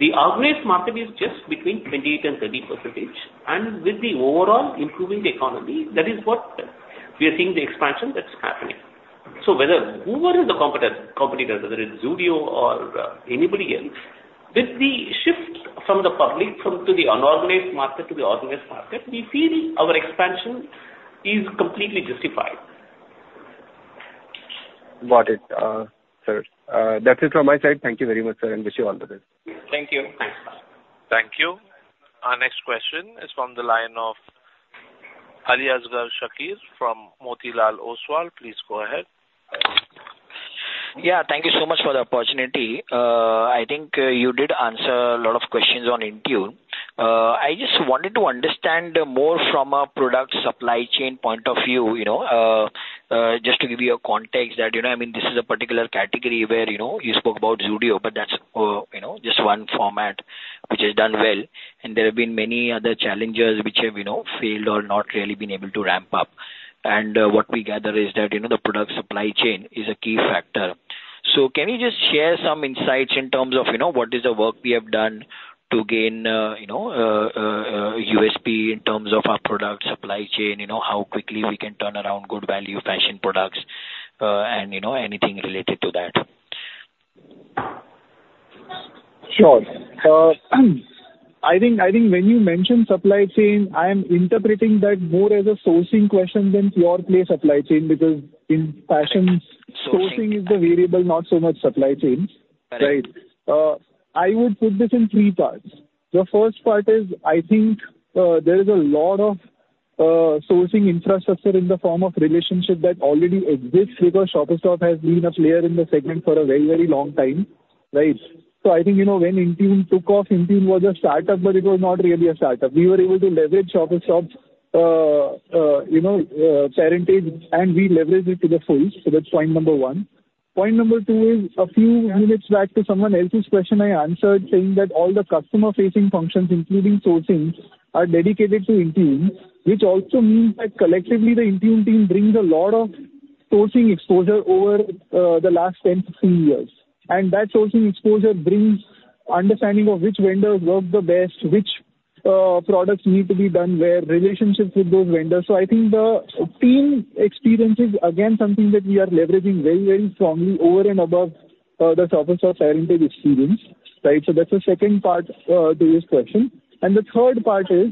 The organized market is just between 28% and 30%, and with the overall improving economy, that is what we are seeing the expansion that's happening. So whether whoever is the competitor, whether it's Zudio or anybody else, with the shift from the unorganized market to the organized market, we feel our expansion is completely justified. Got it, sir. That's it from my side. Thank you very much, sir, and wish you all the best. Thank you. Thank you. Our next question is from the line of Ali Asgar Shakir from Motilal Oswal. Please go ahead. Yeah, thank you so much for the opportunity. I think you did answer a lot of questions on INTUNE. I just wanted to understand more from a product supply chain point of view, you know. Just to give you a context that, you know, I mean, this is a particular category where, you know, you spoke about Zudio, but that's, you know, just one format... which has done well, and there have been many other challenges which have, you know, failed or not really been able to ramp up. And what we gather is that, you know, the product supply chain is a key factor. So can you just share some insights in terms of, you know, what is the work we have done to gain, you know, USP in terms of our product supply chain, you know, how quickly we can turn around good value fashion products, and, you know, anything related to that? Sure. I think, I think when you mention supply chain, I am interpreting that more as a sourcing question than pure play supply chain, because in fashion- Correct. Sourcing is the variable, not so much supply chains. Correct. Right. I would put this in three parts. The first part is, I think, there is a lot of sourcing infrastructure in the form of relationship that already exists, because Shoppers Stop has been a player in the segment for a very, very long time, right? So I think, you know, when Intune took off, Intune was a startup, but it was not really a startup. We were able to leverage Shoppers Stop's you know parentage, and we leveraged it to the full. So that's point number one. Point number two is a few minutes back to someone else's question I answered, saying that all the customer-facing functions, including sourcing, are dedicated to Intune, which also means that collectively, the Intune team brings a lot of sourcing exposure over the last 10 to 13 years. That sourcing exposure brings understanding of which vendors work the best, which products need to be done where, relationships with those vendors. So I think the team experience is, again, something that we are leveraging very, very strongly over and above the Shoppers Stop parentage experience, right? So that's the second part to this question. And the third part is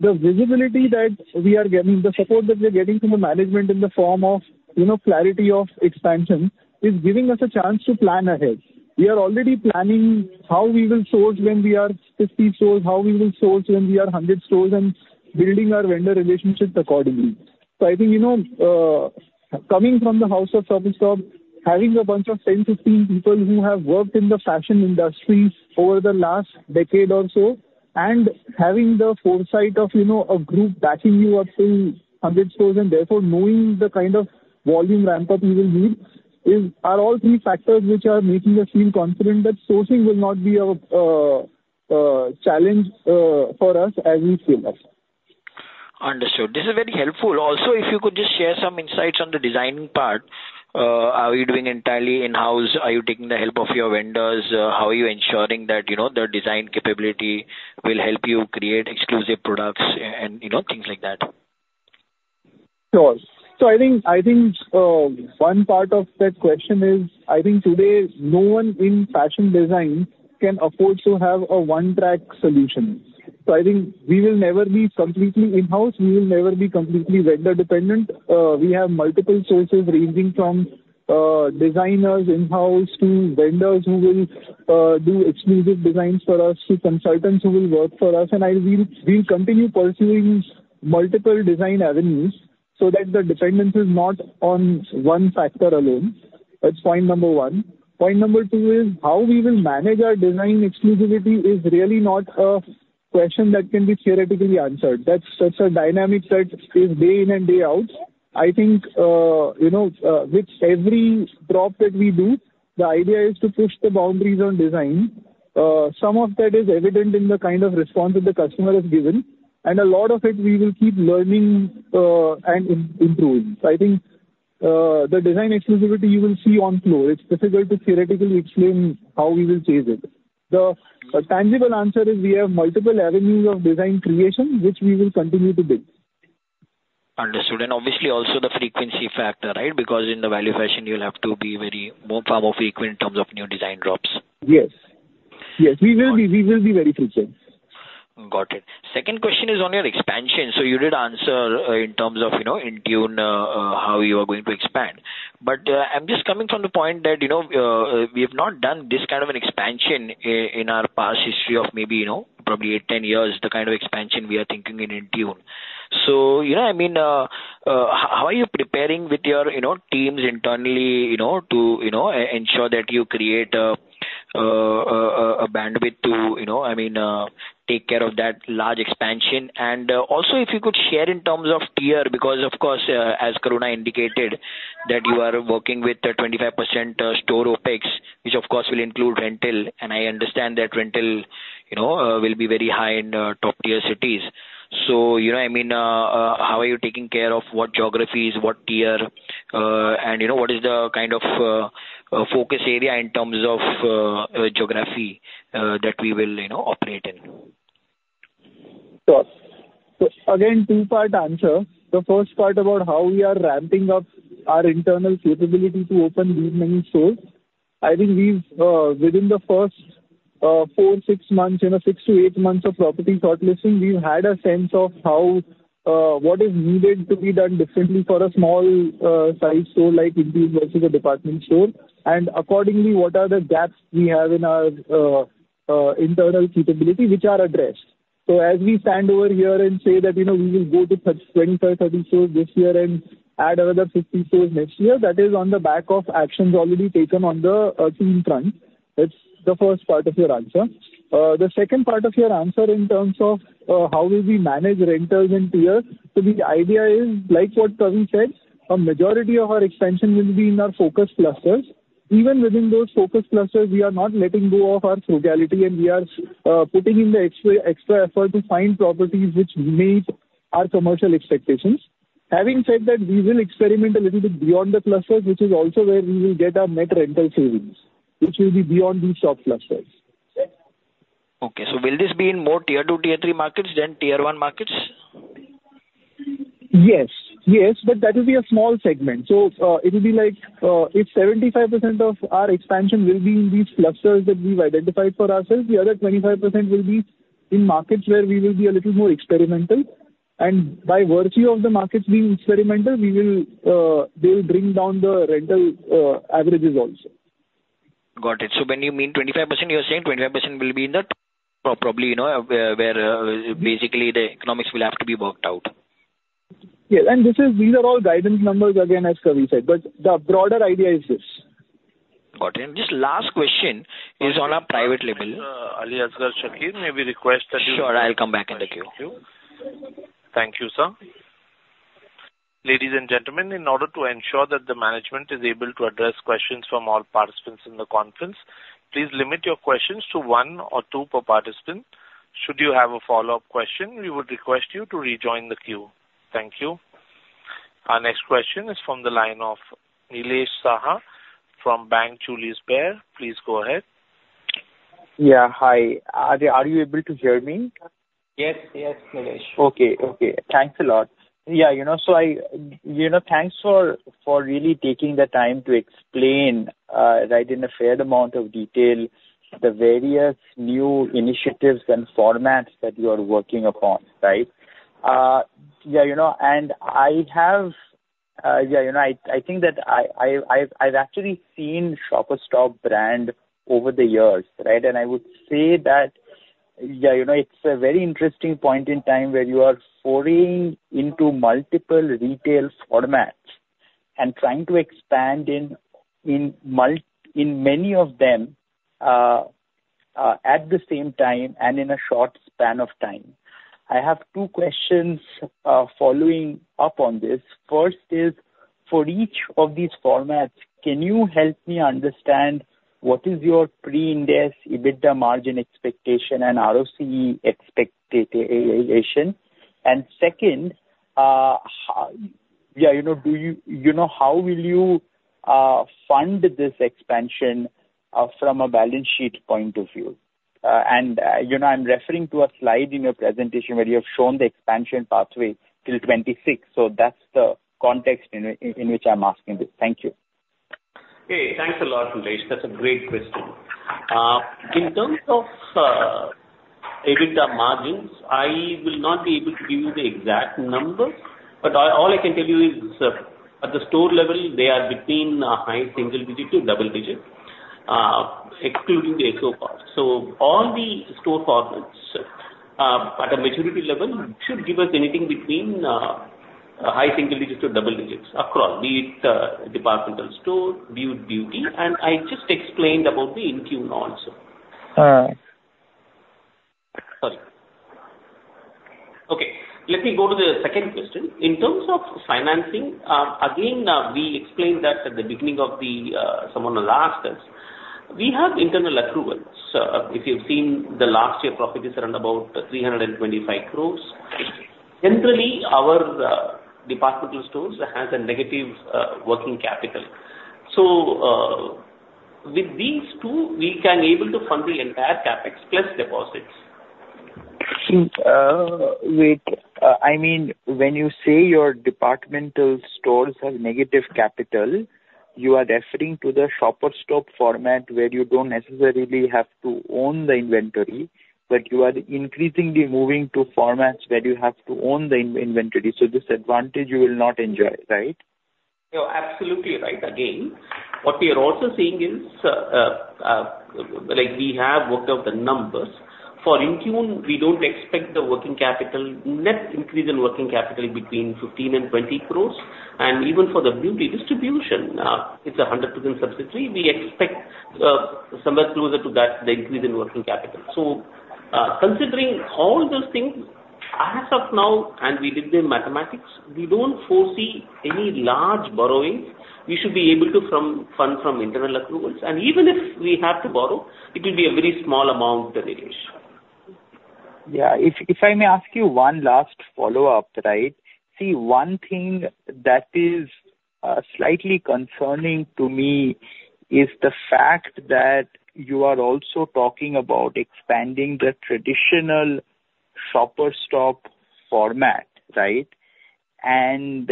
the visibility that we are getting, the support that we are getting from the management in the form of, you know, clarity of expansion, is giving us a chance to plan ahead. We are already planning how we will source when we are 50 stores, how we will source when we are 100 stores, and building our vendor relationships accordingly. So I think, you know, coming from the house of Shoppers Stop, having a bunch of 10, 15 people who have worked in the fashion industry over the last decade or so, and having the foresight of, you know, a group backing you up till 100 stores, and therefore, knowing the kind of volume ramp-up you will need, are all three factors which are making us feel confident that sourcing will not be a challenge for us as we scale up. Understood. This is very helpful. Also, if you could just share some insights on the designing part. Are you doing entirely in-house? Are you taking the help of your vendors? How are you ensuring that, you know, the design capability will help you create exclusive products and, and, you know, things like that? Sure. So I think, one part of that question is, I think today, no one in fashion design can afford to have a one-track solution. So I think we will never be completely in-house, we will never be completely vendor-dependent. We have multiple sources, ranging from, designers in-house to vendors who will do exclusive designs for us, to consultants who will work for us. And we'll continue pursuing multiple design avenues so that the dependence is not on one factor alone. That's point number one. Point number two is, how we will manage our design exclusivity is really not a question that can be theoretically answered. That's such a dynamic that is day in and day out. I think, you know, with every drop that we do, the idea is to push the boundaries on design. Some of that is evident in the kind of response that the customer has given, and a lot of it we will keep learning, and improving. So I think the design exclusivity you will see on floor. It's difficult to theoretically explain how we will change it. The tangible answer is we have multiple avenues of design creation, which we will continue to build. Understood. And obviously also the frequency factor, right? Because in the value fashion, you'll have to be far more frequent in terms of new design drops. Yes. Yes, we will be, we will be very frequent. Got it. Second question is on your expansion. So you did answer, in terms of, you know, INTUNE, how you are going to expand. But, I'm just coming from the point that, you know, we have not done this kind of an expansion in our past history of maybe, you know, probably eight, 10 years, the kind of expansion we are thinking in INTUNE. So, you know, I mean, how are you preparing with your, you know, teams internally, you know, to, you know, ensure that you create a, a bandwidth to, you know, I mean, take care of that large expansion? Also, if you could share in terms of tier, because, of course, as Karuna indicated, that you are working with a 25% store OpEx, which of course will include rental, and I understand that rental, you know, will be very high in top-tier cities. So, you know, I mean, how are you taking care of what geographies, what tier, and, you know, what is the kind of focus area in terms of geography that we will, you know, operate in? Sure. So again, two-part answer. The first part about how we are ramping up our internal capability to open these many stores. I think we've, within the first four to six months, you know, six to eight months of property shortlisting, we've had a sense of how what is needed to be done differently for a small size store like INTUNE versus a department store, and accordingly, what are the gaps we have in our internal capability, which are addressed. So as we stand over here and say that, you know, we will go to 25-30 stores this year and add another 50 stores next year, that is on the back of actions already taken on the team front. That's the first part of your answer. The second part of your answer in terms of how will we manage rentals and tiers, so the idea is, like what Kavin said, a majority of our expansion will be in our focus clusters. Even within those focus clusters, we are not letting go of our frugality, and we are putting in the extra, extra effort to find properties which meet our commercial expectations. Having said that, we will experiment a little bit beyond the clusters, which is also where we will get our net rental savings, which will be beyond these top clusters. Okay. So will this be in more tier two, tier three markets than tier one markets? Yes. Yes, but that will be a small segment. So, it will be like, if 75% of our expansion will be in these clusters that we've identified for ourselves, the other 25% will be in markets where we will be a little more experimental. And by virtue of the markets being experimental, we will, they'll bring down the rental, averages also. Got it. So when you mean 25%, you're saying 25% will be in the or probably, you know, where, where basically the economics will have to be worked out? Yes, and these are all guidance numbers, again, as Kavi said, but the broader idea is this. Got it. Just last question is on a private label. Ali Asgar Shakir, may we request that you- Sure, I'll come back in the queue. Thank you. Thank you, sir. Ladies and gentlemen, in order to ensure that the management is able to address questions from all participants in the conference, please limit your questions to one or two per participant. Should you have a follow-up question, we would request you to rejoin the queue. Thank you. Our next question is from the line of Nilesh Saha from Bank Julius Baer. Please go ahead. Yeah, hi. Are you able to hear me? Yes. Yes, Nilesh. Okay, okay. Thanks a lot. Yeah, you know, so you know, thanks for really taking the time to explain, right, in a fair amount of detail, the various new initiatives and formats that you are working upon, right? Yeah, you know, and I have, yeah, you know, I think that I've actually seen Shoppers Stop brand over the years, right? And I would say that, yeah, you know, it's a very interesting point in time where you are foraying into multiple retail formats and trying to expand in many of them at the same time and in a short span of time. I have two questions following up on this. First is: for each of these formats, can you help me understand what is your Pre-Ind AS EBITDA margin expectation and ROCE expectation? And second, how... Yeah, you know, you know, how will you fund this expansion from a balance sheet point of view? And, you know, I'm referring to a slide in your presentation where you have shown the expansion pathway till 26. So that's the context in which I'm asking this. Thank you. Hey, thanks a lot, Nilesh. That's a great question. In terms of EBITDA margins, I will not be able to give you the exact numbers, but all, all I can tell you is, at the store level, they are between a high single digit to double digit, excluding the EBO part. So all the store formats, at a maturity level, should give us anything between high single digits to double digits across, be it departmental store, beauty, and I just explained about the INTUNE also. Uh, sorry. Okay, let me go to the second question. In terms of financing, again, we explained that at the beginning of the, someone who asked us. We have internal accruals. If you've seen the last year, profits are around about 325 crore. Generally, our departmental stores has a negative working capital. So, with these two, we can able to fund the entire CapEx plus deposits. I mean, when you say your departmental stores have negative capital, you are referring to the Shoppers Stop format, where you don't necessarily have to own the inventory, but you are increasingly moving to formats where you have to own the inventory. So this advantage you will not enjoy, right? You're absolutely right. Again, what we are also seeing is, like, we have worked out the numbers. For INTUNE, we don't expect the working capital, net increase in working capital between 15 and 20 crore, and even for the beauty distribution, it's a 100% subsidiary. We expect somewhere closer to that, the increase in working capital. So, considering all those things, as of now, and we did the mathematics, we don't foresee any large borrowing. We should be able to fund from internal approvals, and even if we have to borrow, it will be a very small amount than the issue. Yeah. If I may ask you one last follow-up, right? See, one thing that is slightly concerning to me is the fact that you are also talking about expanding the traditional Shoppers Stop format, right? And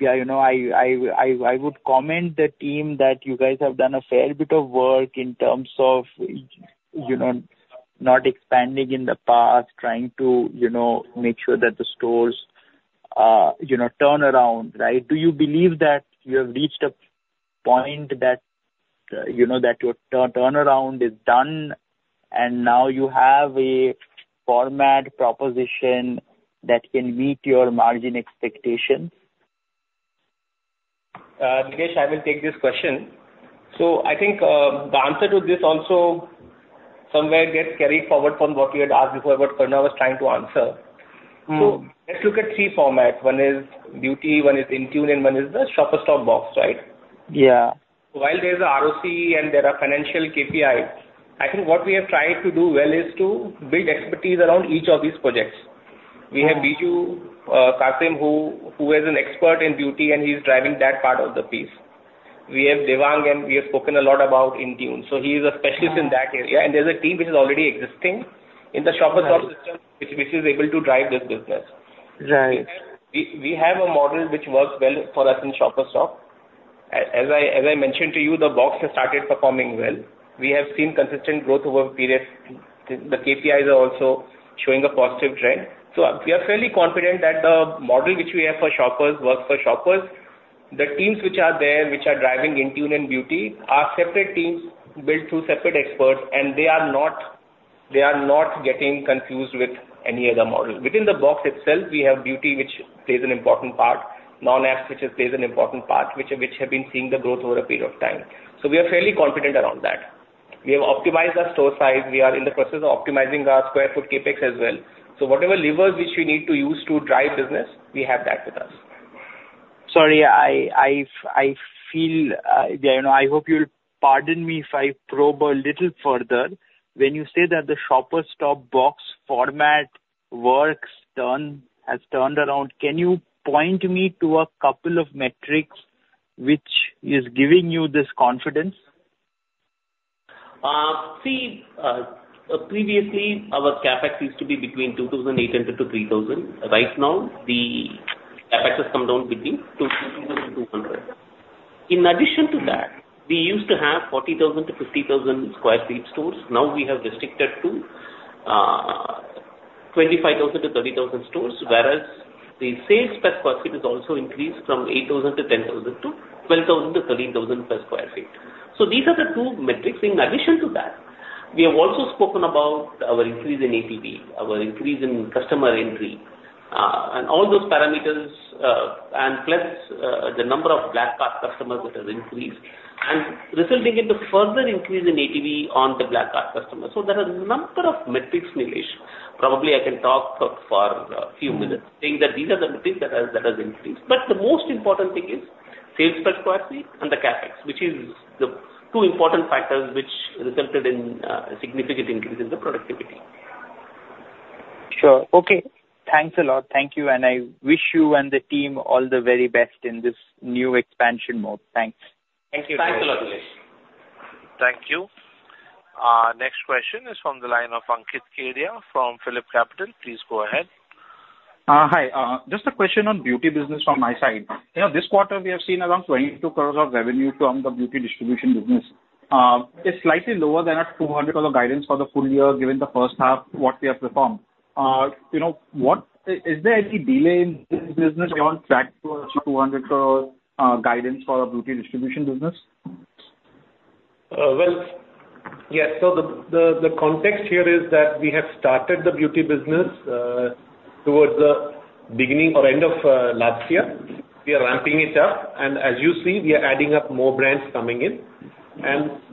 yeah, you know, I would comment the team that you guys have done a fair bit of work in terms of, you know, not expanding in the past, trying to, you know, make sure that the stores, you know, turn around, right? Do you believe that you have reached a point that, you know, that your turnaround is done, and now you have a format proposition that can meet your margin expectations? Nilesh, I will take this question. So I think, the answer to this also somewhere gets carried forward from what we had asked before, what Karuna was trying to answer. Mm. Let's look at three formats. One is beauty, one is INTUNE, and one is the Shoppers Stop box, right? Yeah. While there is a ROC and there are financial KPI, I think what we have tried to do well is to build expertise around each of these projects. Right. We have Biju Kassim, who is an expert in beauty, and he's driving that part of the piece. We have Devang, and we have spoken a lot about INTUNE, so he is a specialist- Mm. in that area, and there's a team which is already existing in the Shoppers Stop system. Right. -which is able to drive this business. Right. We have a model which works well for us in Shoppers Stop. As I mentioned to you, the box has started performing well. We have seen consistent growth over a period. The KPIs are also showing a positive trend. So we are fairly confident that the model which we have for Shoppers works for Shoppers. The teams which are there, which are driving INTUNE and beauty, are separate teams built through separate experts, and they are not getting confused with any other model. Within the box itself, we have beauty, which plays an important part, non-F, which plays an important part, which have been seeing the growth over a period of time. So we are fairly confident around that. We have optimized our store size. We are in the process of optimizing our square foot CapEx as well. Whatever levers which we need to use to drive business, we have that with us. Sorry, I feel, you know, I hope you'll pardon me if I probe a little further. When you say that the Shoppers Stop box format works, has turned around, can you point me to a couple of metrics which is giving you this confidence? See, previously, our CapEx used to be between 2,800-3,000. Right now, the CapEx has come down between 2,200. In addition to that, we used to have 40,000-50,000 sq ft stores. Now we have restricted to, 25,000-30,000 stores, whereas the sales per sq ft has also increased from 8,000 to 10,000 to 12,000 to 13,000 per sq ft. So these are the two metrics. In addition to that, we have also spoken about our increase in ATV, our increase in customer entry, and all those parameters, and plus, the number of Black Card customers, which has increased, and resulting into further increase in ATV on the Black Card customers. So there are a number of metrics, Nilesh. Probably, I can talk for a few minutes, saying that these are the metrics that has increased. But the most important thing is sales per square feet and the CapEx, which is the two important factors which resulted in significant increase in the productivity. Sure. Okay, thanks a lot. Thank you, and I wish you and the team all the very best in this new expansion mode. Thanks. Thank you. Thanks a lot, Nilesh. Thank you. Next question is from the line of Ankit Kedia from PhillipCapital. Please go ahead. Hi. Just a question on beauty business from my side. You know, this quarter, we have seen around 22 crore of revenue from the beauty distribution business. It's slightly lower than our 200 crore guidance for the full year, given the first half, what we have performed. You know, is there any delay in this business on track to 200 crore guidance for our beauty distribution business? Well, yes. The context here is that we have started the beauty business towards the beginning or end of last year. We are ramping it up, and as you see, we are adding up more brands coming in.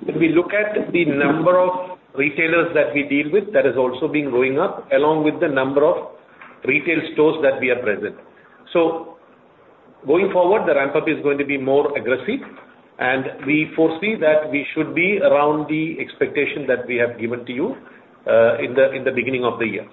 If we look at the number of retailers that we deal with, that has also been going up, along with the number of retail stores that we are present. Going forward, the ramp-up is going to be more aggressive, and we foresee that we should be around the expectation that we have given to you in the beginning of the year.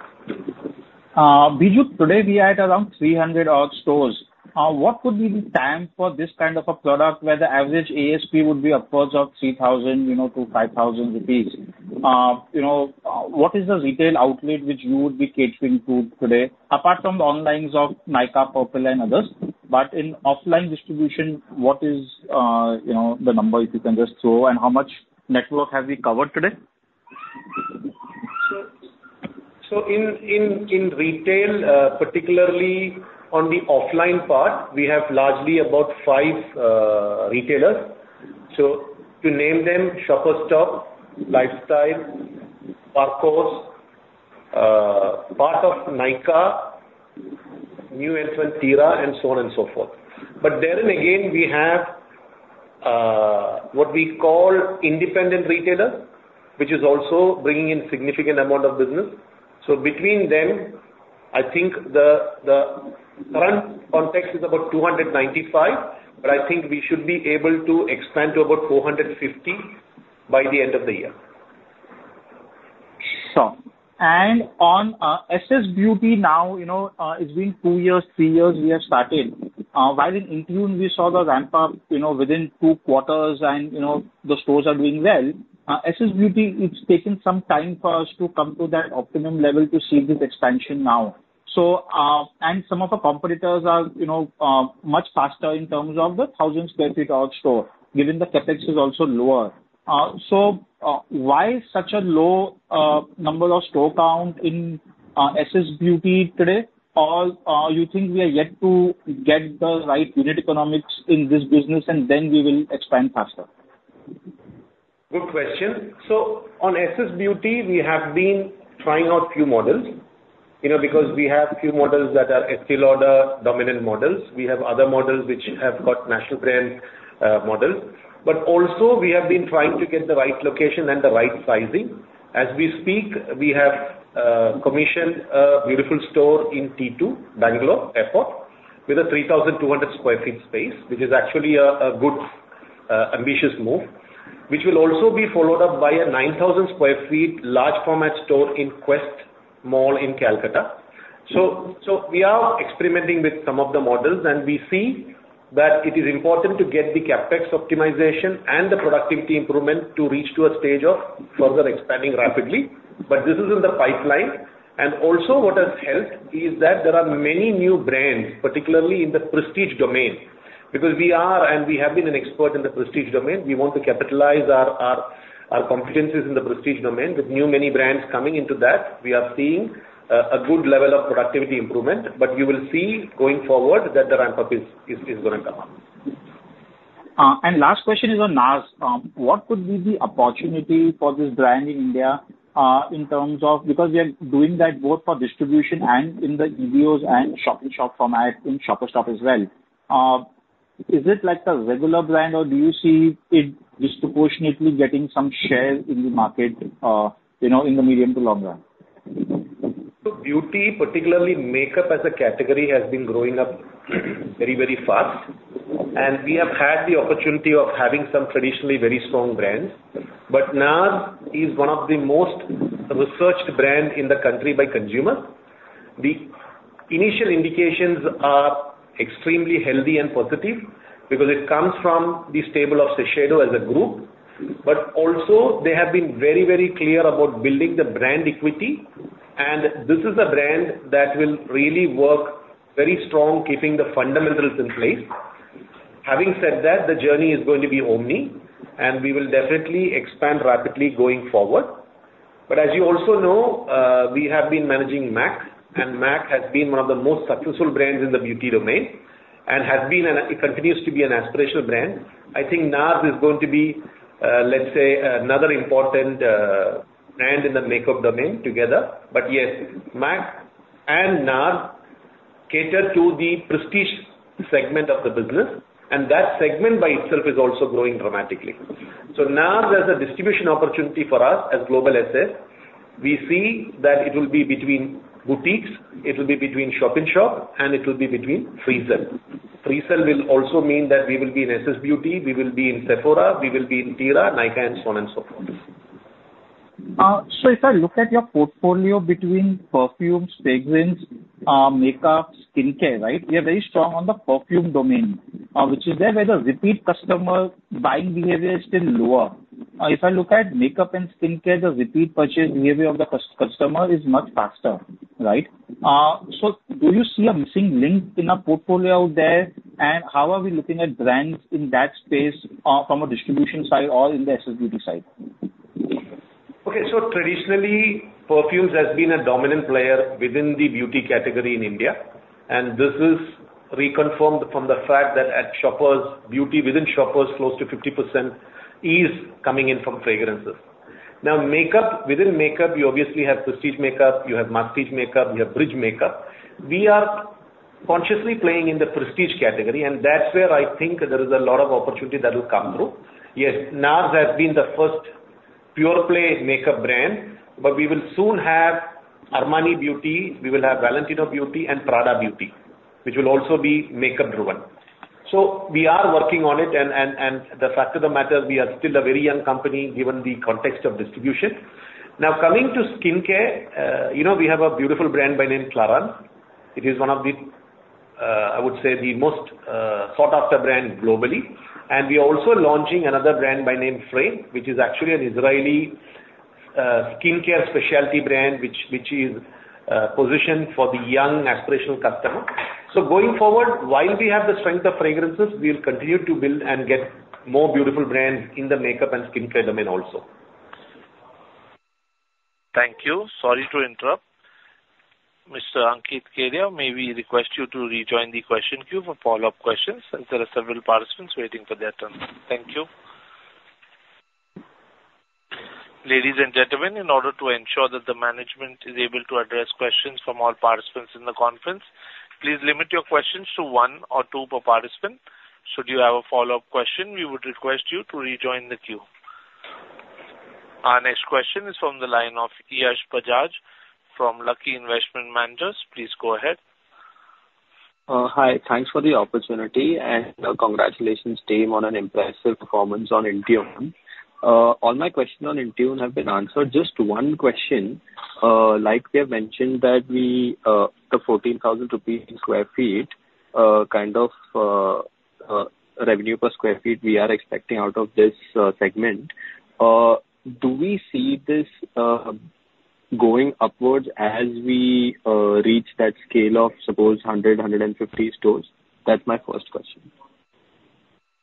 Biju, today we are at around 300 odd stores. What could be the time for this kind of a product, where the average ASP would be upwards of 3,000, you know, to 5,000 rupees? You know, what is the retail outlet which you would be catering to today, apart from the onlines of Nykaa, Purplle and others, but in offline distribution, what is, you know, the number, if you can just throw, and how much network have we covered today? So in retail, particularly on the offline part, we have largely about 5 retailers. So to name them, Shoppers Stop, Lifestyle, Pantaloons, part of Nykaa, new entrant Tira, and so on and so forth. But therein, again, we have what we call independent retailer, which is also bringing in significant amount of business. So between them, I think the current context is about 295, but I think we should be able to expand to about 450 by the end of the year. Sure. And on SS Beauty now, you know, it's been two years, three years we have started. While in Intune we saw the ramp up, you know, within two quarters and, you know, the stores are doing well, SS Beauty, it's taken some time for us to come to that optimum level to see this expansion now. So, and some of the competitors are, you know, much faster in terms of the 1,000 sq ft odd store, given the CapEx is also lower. So, why such a low number of store count in SS Beauty today? Or, you think we are yet to get the right unit economics in this business, and then we will expand faster? Good question. So on SS Beauty, we have been trying out few models. You know, because we have few models that are Estée Lauder dominant models. We have other models which have got national brand models. But also, we have been trying to get the right location and the right sizing. As we speak, we have commissioned a beautiful store in T2, Bangalore Airport, with a 3,200 sq ft space, which is actually a good ambitious move, which will also be followed up by a 9,000 sq ft large format store in Quest Mall in Kolkata. So we are experimenting with some of the models, and we see that it is important to get the CapEx optimization and the productivity improvement to reach to a stage of further expanding rapidly. But this is in the pipeline. Also, what has helped is that there are many new brands, particularly in the prestige domain. Because we are, and we have been an expert in the prestige domain, we want to capitalize our competencies in the prestige domain. With new many brands coming into that, we are seeing a good level of productivity improvement, but you will see going forward that the ramp-up is going to come up. Last question is on NARS. What could be the opportunity for this brand in India, in terms of, because we are doing that both for distribution and in the EBOs and Shop-in-Shop format in Shoppers Stop as well. Is it like a regular brand, or do you see it disproportionately getting some share in the market, you know, in the medium to long run? So beauty, particularly makeup as a category, has been growing up very, very fast, and we have had the opportunity of having some traditionally very strong brands. But NARS is one of the most researched brand in the country by consumer. The initial indications are extremely healthy and positive because it comes from the stable of Shiseido as a group, but also they have been very, very clear about building the brand equity, and this is a brand that will really work very strong, keeping the fundamentals in place. Having said that, the journey is going to be omni, and we will definitely expand rapidly going forward. But as you also know, we have been managing MAC, and MAC has been one of the most successful brands in the beauty domain, and it continues to be an aspirational brand. I think NARS is going to be, let's say, another important brand in the makeup domain together. But yes, MAC and NARS cater to the prestige segment of the business, and that segment by itself is also growing dramatically. So NARS, as a distribution opportunity for us as Global SS, we see that it will be between boutiques, it will be between shop-in-shop, and it will be between free sell. Free sell will also mean that we will be in SS Beauty, we will be in Sephora, we will be in Tira, Nykaa, and so on and so forth. So if I look at your portfolio between perfumes, fragrance, makeup, skincare, right? You're very strong on the perfume domain, which is there where the repeat customer buying behavior is still lower. If I look at makeup and skincare, the repeat purchase behavior of the customer is much faster, right? So do you see a missing link in our portfolio out there, and how are we looking at brands in that space, from a distribution side or in the SS Beauty side? Okay. So traditionally, perfumes has been a dominant player within the beauty category in India, and this is reconfirmed from the fact that at Shoppers, beauty within Shoppers, close to 50% is coming in from fragrances. Now, makeup, within makeup, you obviously have prestige makeup, you have prestige makeup, you have bridge makeup. We are consciously playing in the prestige category, and that's where I think there is a lot of opportunity that will come through. Yes, NARS has been the first pure play makeup brand, but we will soon have Armani Beauty, we will have Valentino Beauty and Prada Beauty, which will also be makeup driven. So we are working on it, and, and, and the fact of the matter, we are still a very young company, given the context of distribution. Now, coming to skincare, you know, we have a beautiful brand by name Clarins. It is one of the, I would say, the most sought after brand globally. And we are also launching another brand by name Fré, which is actually an Israeli skincare specialty brand, which is positioned for the young aspirational customer. So going forward, while we have the strength of fragrances, we'll continue to build and get more beautiful brands in the makeup and skincare domain also. Thank you. Sorry to interrupt. Mr. Ankit Kedia, may we request you to rejoin the question queue for follow-up questions, since there are several participants waiting for their turn. Thank you. Ladies and gentlemen, in order to ensure that the management is able to address questions from all participants in the conference, please limit your questions to one or two per participant. Should you have a follow-up question, we would request you to rejoin the queue. Our next question is from the line of Yash Bajaj from Lucky Investment Managers. Please go ahead. Hi. Thanks for the opportunity, and, congratulations, team, on an impressive performance on INTUNE. All my questions on INTUNE have been answered. Just one question, like we have mentioned that we, the 14,000 rupees per sq ft, kind of, revenue per sq ft we are expecting out of this, segment. Do we see this, going upwards as we, reach that scale of, suppose, 100-150 stores? That's my first question.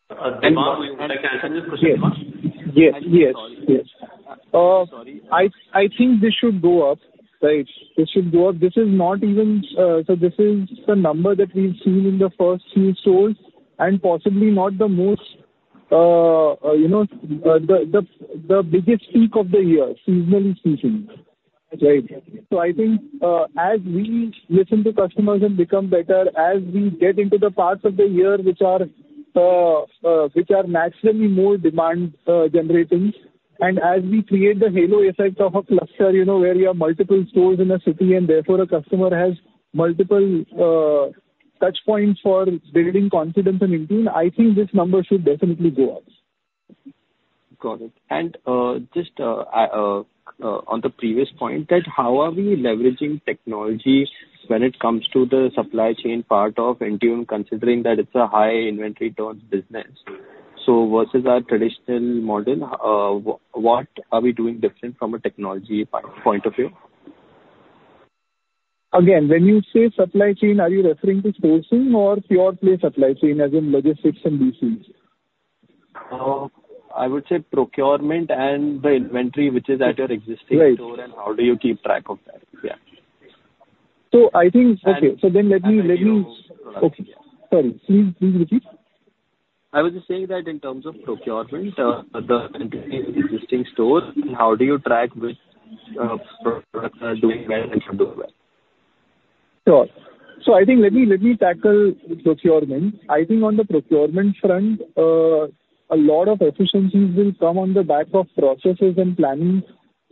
Can I answer this question? Yes. Yes, yes. I think this should go up, right? This should go up. This is not even... So this is the number that we've seen in the first few stores, and possibly not the most-... you know, the biggest peak of the year, seasonally speaking, right? So I think, as we listen to customers and become better, as we get into the parts of the year which are naturally more demand generating, and as we create the halo effect of a cluster, you know, where you have multiple stores in a city, and therefore, a customer has multiple touchpoints for building confidence in INTUNE, I think this number should definitely go up. Got it. Just on the previous point, that how are we leveraging technology when it comes to the supply chain part of INTUNE, considering that it's a high inventory turns business? Versus our traditional model, what are we doing different from a technology point of view? Again, when you say supply chain, are you referring to sourcing or pure play supply chain, as in logistics and DCs? I would say procurement and the inventory which is at your existing- Right. -store, and how do you keep track of that? Yeah. So I think- And- Okay, so then let me, Yeah. Okay. Sorry, please, please repeat. I was just saying that in terms of procurement, the existing store, how do you track which products are doing well and should do well? Sure. I think let me tackle procurement. I think on the procurement front, a lot of efficiencies will come on the back of processes and planning.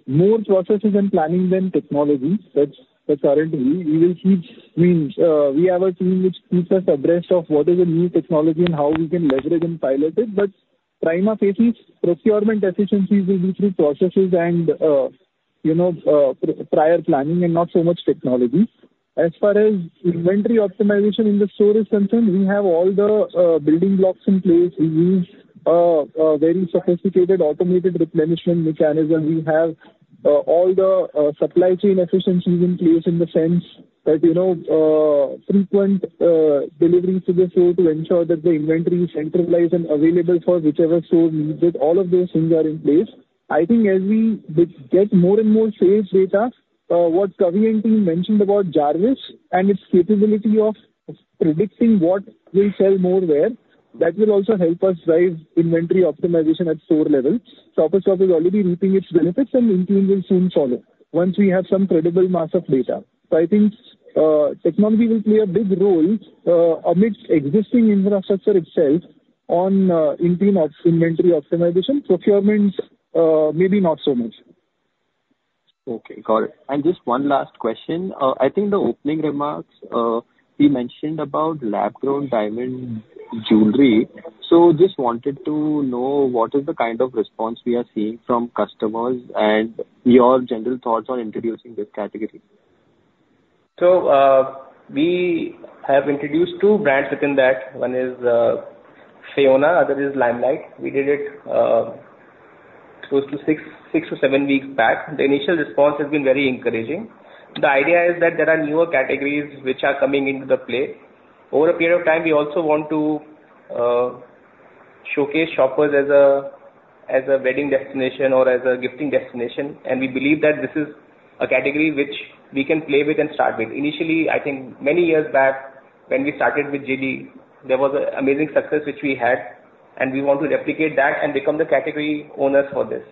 More processes and planning than technology. That's currently. We will keep screens. We have a team which keeps us abreast of what is a new technology and how we can leverage and pilot it, but prima facie, procurement efficiencies will be through processes and, you know, prior planning and not so much technology. As far as inventory optimization in the store is concerned, we have all the building blocks in place. We use a very sophisticated automated replenishment mechanism. We have all the supply chain efficiencies in place in the sense that, you know, frequent deliveries to the store to ensure that the inventory is centralized and available for whichever store needs it. All of those things are in place. I think as we get more and more sales data, what Kavi and team mentioned about Jarvis and its capability of predicting what will sell more where, that will also help us drive inventory optimization at store level. Shoppers Stop is already reaping its benefits, and INTUNE will soon follow, once we have some credible mass of data. So I think technology will play a big role amidst existing infrastructure itself on INTUNE ops inventory optimization. Procurements maybe not so much. Okay, got it. Just one last question. I think the opening remarks, we mentioned about lab-grown diamond jewelry. So just wanted to know what is the kind of response we are seeing from customers, and your general thoughts on introducing this category. So, we have introduced two brands within that. One is, Fiona, other is Limelight. We did it, close to six, six or seven weeks back. The initial response has been very encouraging. The idea is that there are newer categories which are coming into the play. Over a period of time, we also want to, showcase Shoppers as a, as a wedding destination or as a gifting destination, and we believe that this is a category which we can play with and start with. Initially, I think many years back, when we started with Gili, there was an amazing success which we had, and we want to replicate that and become the category owners for this.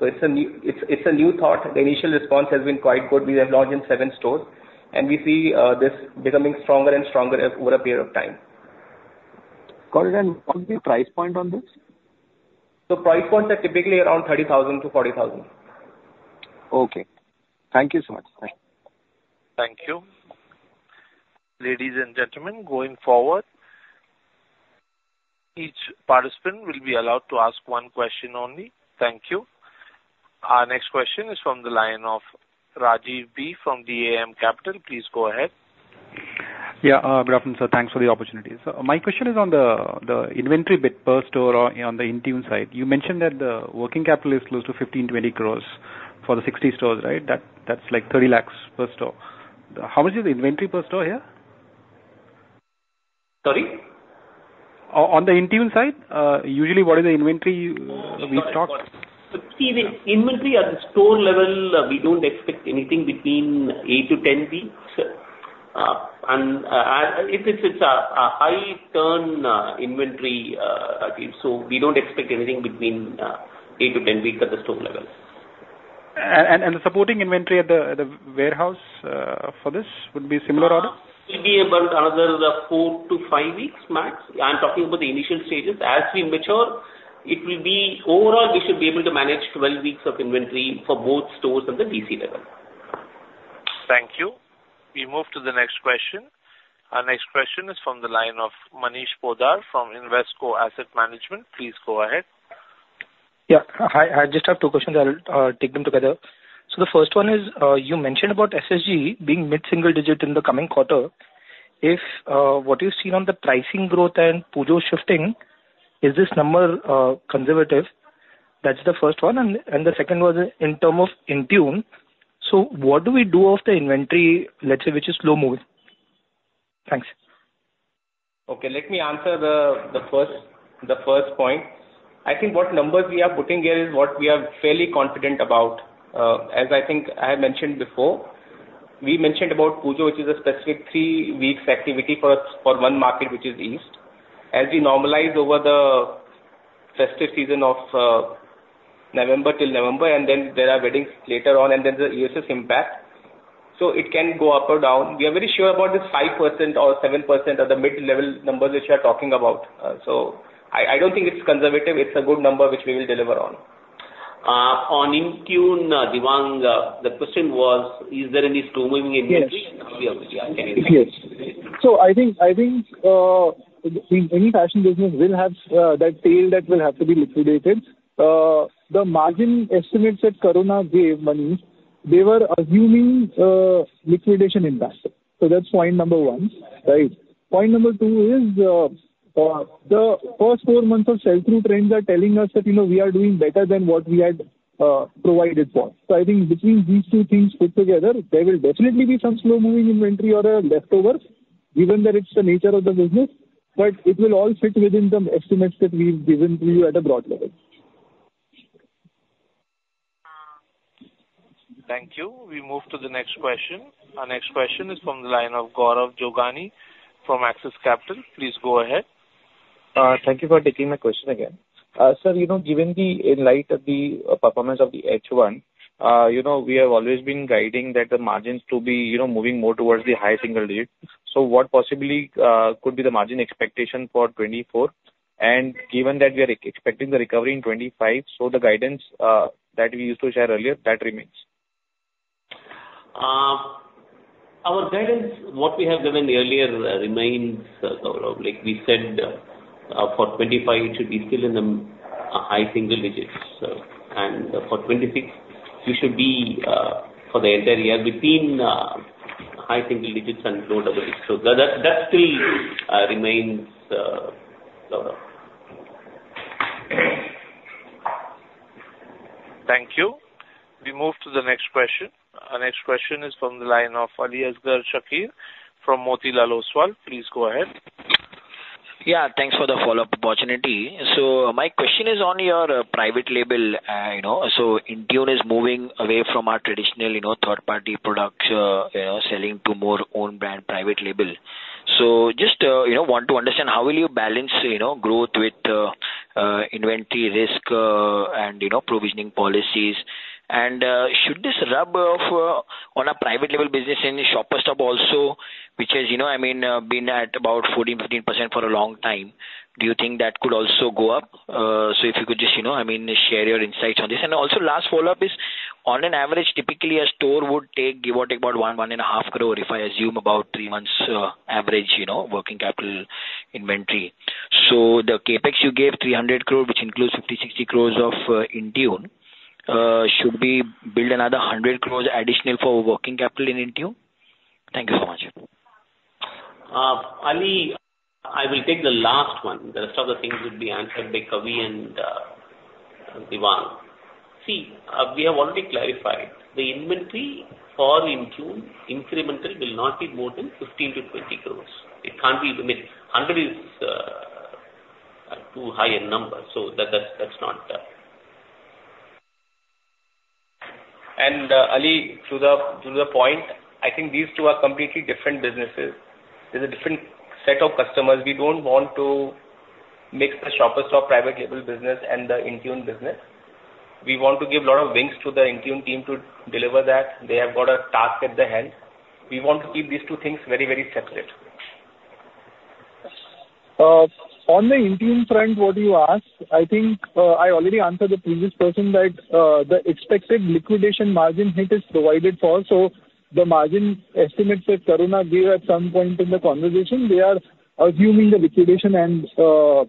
So it's a new, it's, it's a new thought. The initial response has been quite good. We have launched in seven stores, and we see this becoming stronger and stronger over a period of time. Got it, and what's the price point on this? The price points are typically around 30,000-40,000. Okay. Thank you so much. Thank you. Ladies and gentlemen, going forward, each participant will be allowed to ask one question only. Thank you. Our next question is from the line of Rajiv Dee from DAM Capital. Please go ahead. Yeah, good afternoon, sir. Thanks for the opportunity. So my question is on the inventory bit per store on the INTUNE side. You mentioned that the working capital is close to 15-20 crore for the 60 stores, right? That, that's like 30 lakhs per store. How much is the inventory per store here? Sorry? On the INTUNE side, usually what is the inventory we stock? Got it. 15... Inventory at the store level, we don't expect anything between eight to 10 weeks. And, it is, it's a high turn inventory, okay, so we don't expect anything between eight to 10 weeks at the store level. The supporting inventory at the warehouse for this would be similar order? It'll be about another four to five weeks, max. I'm talking about the initial stages. As we mature, it will be... Overall, we should be able to manage 12 weeks of inventory for both stores and the DC level. Thank you. We move to the next question. Our next question is from the line of Manish Poddar from Invesco Asset Management. Please go ahead. Yeah. Hi, I just have two questions. I'll take them together. So the first one is, you mentioned about SSG being mid-single digit in the coming quarter. If what you've seen on the pricing growth and Pujo shifting, is this number conservative? That's the first one, and the second one is in term of INTUNE. So what do we do with the inventory, let's say, which is slow-moving? Thanks. Okay, let me answer the first point. I think what numbers we are putting here is what we are fairly confident about. As I think I had mentioned before-... We mentioned about Pujo, which is a specific three weeks activity for one market, which is East. As we normalize over the festive season of November till November, and then there are weddings later on, and then the EOSS impact, so it can go up or down. We are very sure about this 5% or 7% or the mid-level numbers which you are talking about. So I don't think it's conservative. It's a good number, which we will deliver on. On INTUNE, Devang, the question was: Is there any slow-moving inventory? Yes. Yes. So I think, I think, any fashion business will have that tail that will have to be liquidated. The margin estimates that Karuna gave, Manish, they were assuming liquidation impact. So that's point number one, right? Point number two is the first four months of sell-through trends are telling us that, you know, we are doing better than what we had provided for. So I think between these two things put together, there will definitely be some slow-moving inventory or leftovers, given that it's the nature of the business, but it will all fit within the estimates that we've given to you at a broad level. Thank you. We move to the next question. Our next question is from the line of Gaurav Jogani from Axis Capital. Please go ahead. Thank you for taking my question again. Sir, you know, given the in light of the, performance of the H1, you know, we have always been guiding that the margins to be, you know, moving more towards the high single digit. So what possibly, could be the margin expectation for 2024? And given that we are expecting the recovery in 2025, so the guidance, that we used to share earlier, that remains. Our guidance, what we have given earlier, remains, Gaurav. Like we said, for 2025, it should be still in the high single digits. And for 2026, we should be for the entire year between high single digits and low double digits. So that, that still remains, Gaurav. Thank you. We move to the next question. Our next question is from the line of Ali Asgar Shakir from Motilal Oswal. Please go ahead. Yeah, thanks for the follow-up opportunity. So my question is on your private label, you know, so Intune is moving away from our traditional, you know, third-party products, you know, selling to more own brand private label. So just, you know, want to understand how will you balance, you know, growth with, inventory risk, and, you know, provisioning policies? And, should this rub off, on a private label business in Shoppers Stop also, which is, you know, I mean, been at about 14%-15% for a long time. Do you think that could also go up? So if you could just, you know, I mean, share your insights on this. Also, last follow-up is: On an average, typically, a store would take, give or take about 1-1.5 crore, if I assume about three months, average, you know, working capital inventory. So the CapEx you gave, 300 crore, which includes 50-60 crore of Intune. Should we build another 100 crore additional for working capital in Intune? Thank you so much. Ali, I will take the last one. The rest of the things will be answered by Kavi and Devang. See, we have already clarified, the inventory for INTUNE, incremental, will not be more than 15-20 crore. It can't be, I mean, 100 is a too high a number, so that, that's, that's not... And, Ali, to the, to the point, I think these two are completely different businesses. There's a different set of customers. We don't want to mix the Shoppers Stop private label business and the INTUNE business. We want to give a lot of wings to the INTUNE team to deliver that. They have got a task at the hand. We want to keep these two things very, very separate. On the INTUNE front, what you asked, I think, I already answered the previous person that, the expected liquidation margin hit is provided for. So the margin estimates that Karuna gave at some point in the conversation, they are assuming the liquidation and,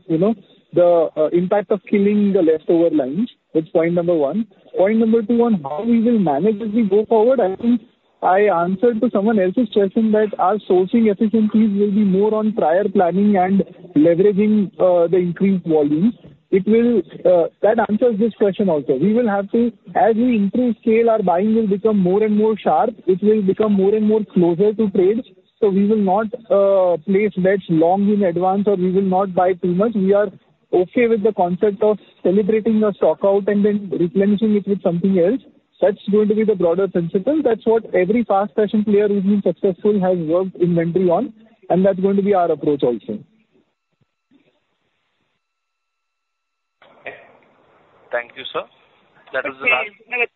you know, the impact of killing the leftover lines. That's point number one. Point number two, on how we will manage as we go forward, I think I answered to someone else's question that our sourcing efficiencies will be more on prior planning and leveraging, the increased volumes. It will, that answers this question also. We will have to. As we increase scale, our buying will become more and more sharp. It will become more and more closer to trades, so we will not, place bets long in advance, or we will not buy too much. We are okay with the concept of celebrating a stock out and then replenishing it with something else. That's going to be the broader principle. That's what every fast fashion player who's been successful has worked inventory on, and that's going to be our approach also. Thank you, sir. That was the last-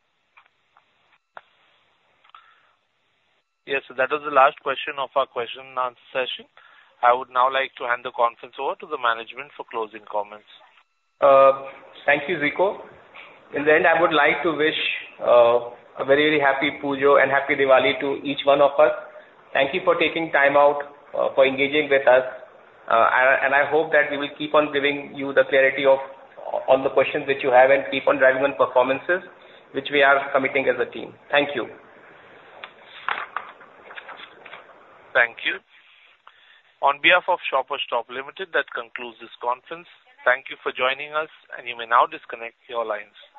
Yes, that was the last question of our question and answer session. I would now like to hand the conference over to the management for closing comments. Thank you, Zico. In the end, I would like to wish a very, very happy Pujo and Happy Diwali to each one of us. Thank you for taking time out for engaging with us. And I hope that we will keep on giving you the clarity of on the questions which you have, and keep on driving on performances, which we are committing as a team. Thank you. Thank you. On behalf of Shoppers Stop Limited, that concludes this conference. Thank you for joining us, and you may now disconnect your lines.